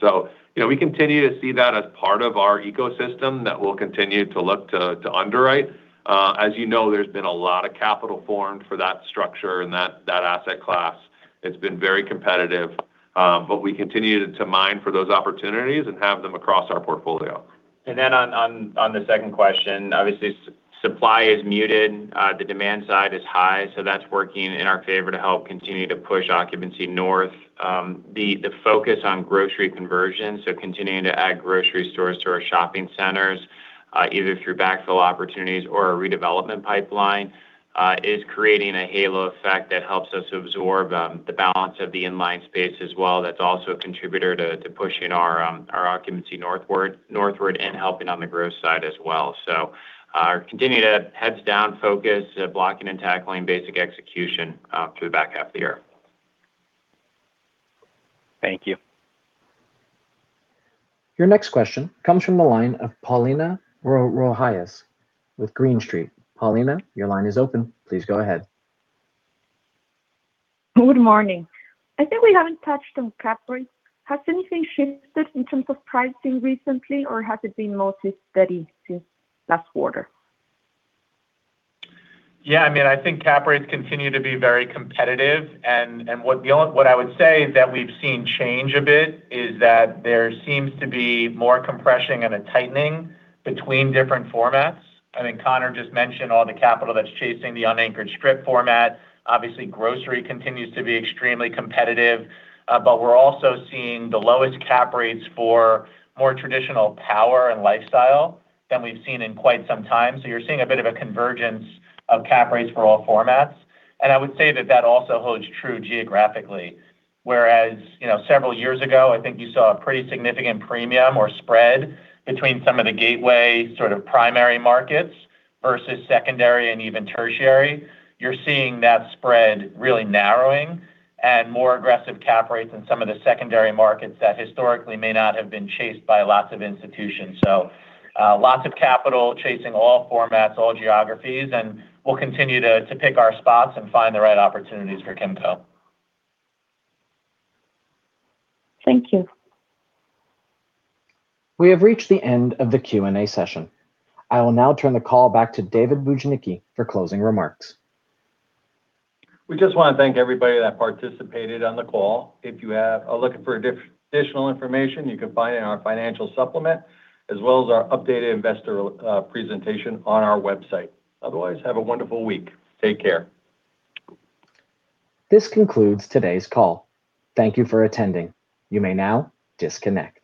We continue to see that as part of our ecosystem that we'll continue to look to underwrite. As you know, there's been a lot of capital formed for that structure and that asset class. It's been very competitive. We continue to mine for those opportunities and have them across our portfolio. On the second question, obviously supply is muted. The demand side is high. That's working in our favor to help continue to push occupancy north. The focus on grocery conversion, so continuing to add grocery stores to our shopping centers, either through backfill opportunities or our redevelopment pipeline, is creating a halo effect that helps us absorb the balance of the in-line space as well. That's also a contributor to pushing our occupancy northward and helping on the growth side as well. Continue to heads down focus, blocking and tackling basic execution through the back half of the year. Thank you. Your next question comes from the line of Paulina Rojas with Green Street. Paulina, your line is open. Please go ahead. Good morning. I think we haven't touched on cap rates. Has anything shifted in terms of pricing recently, or has it been mostly steady since last quarter? Yeah, I think cap rates continue to be very competitive. What I would say that we've seen change a bit is that there seems to be more compression and a tightening between different formats. I think Conor just mentioned all the capital that's chasing the unanchored strip format. Obviously, grocery continues to be extremely competitive. We're also seeing the lowest cap rates for more traditional power and lifestyle than we've seen in quite some time. You're seeing a bit of a convergence of cap rates for all formats, and I would say that that also holds true geographically. Whereas several years ago, I think you saw a pretty significant premium or spread between some of the gateway sort of primary markets versus secondary and even tertiary. You're seeing that spread really narrowing and more aggressive cap rates in some of the secondary markets that historically may not have been chased by lots of institutions. Lots of capital chasing all formats, all geographies, and we'll continue to pick our spots and find the right opportunities for Kimco. Thank you. We have reached the end of the Q&A session. I will now turn the call back to David Bujnicki for closing remarks. We just want to thank everybody that participated on the call. If you are looking for additional information, you can find it in our financial supplement as well as our updated investor presentation on our website. Otherwise, have a wonderful week. Take care. This concludes today's call. Thank you for attending. You may now disconnect.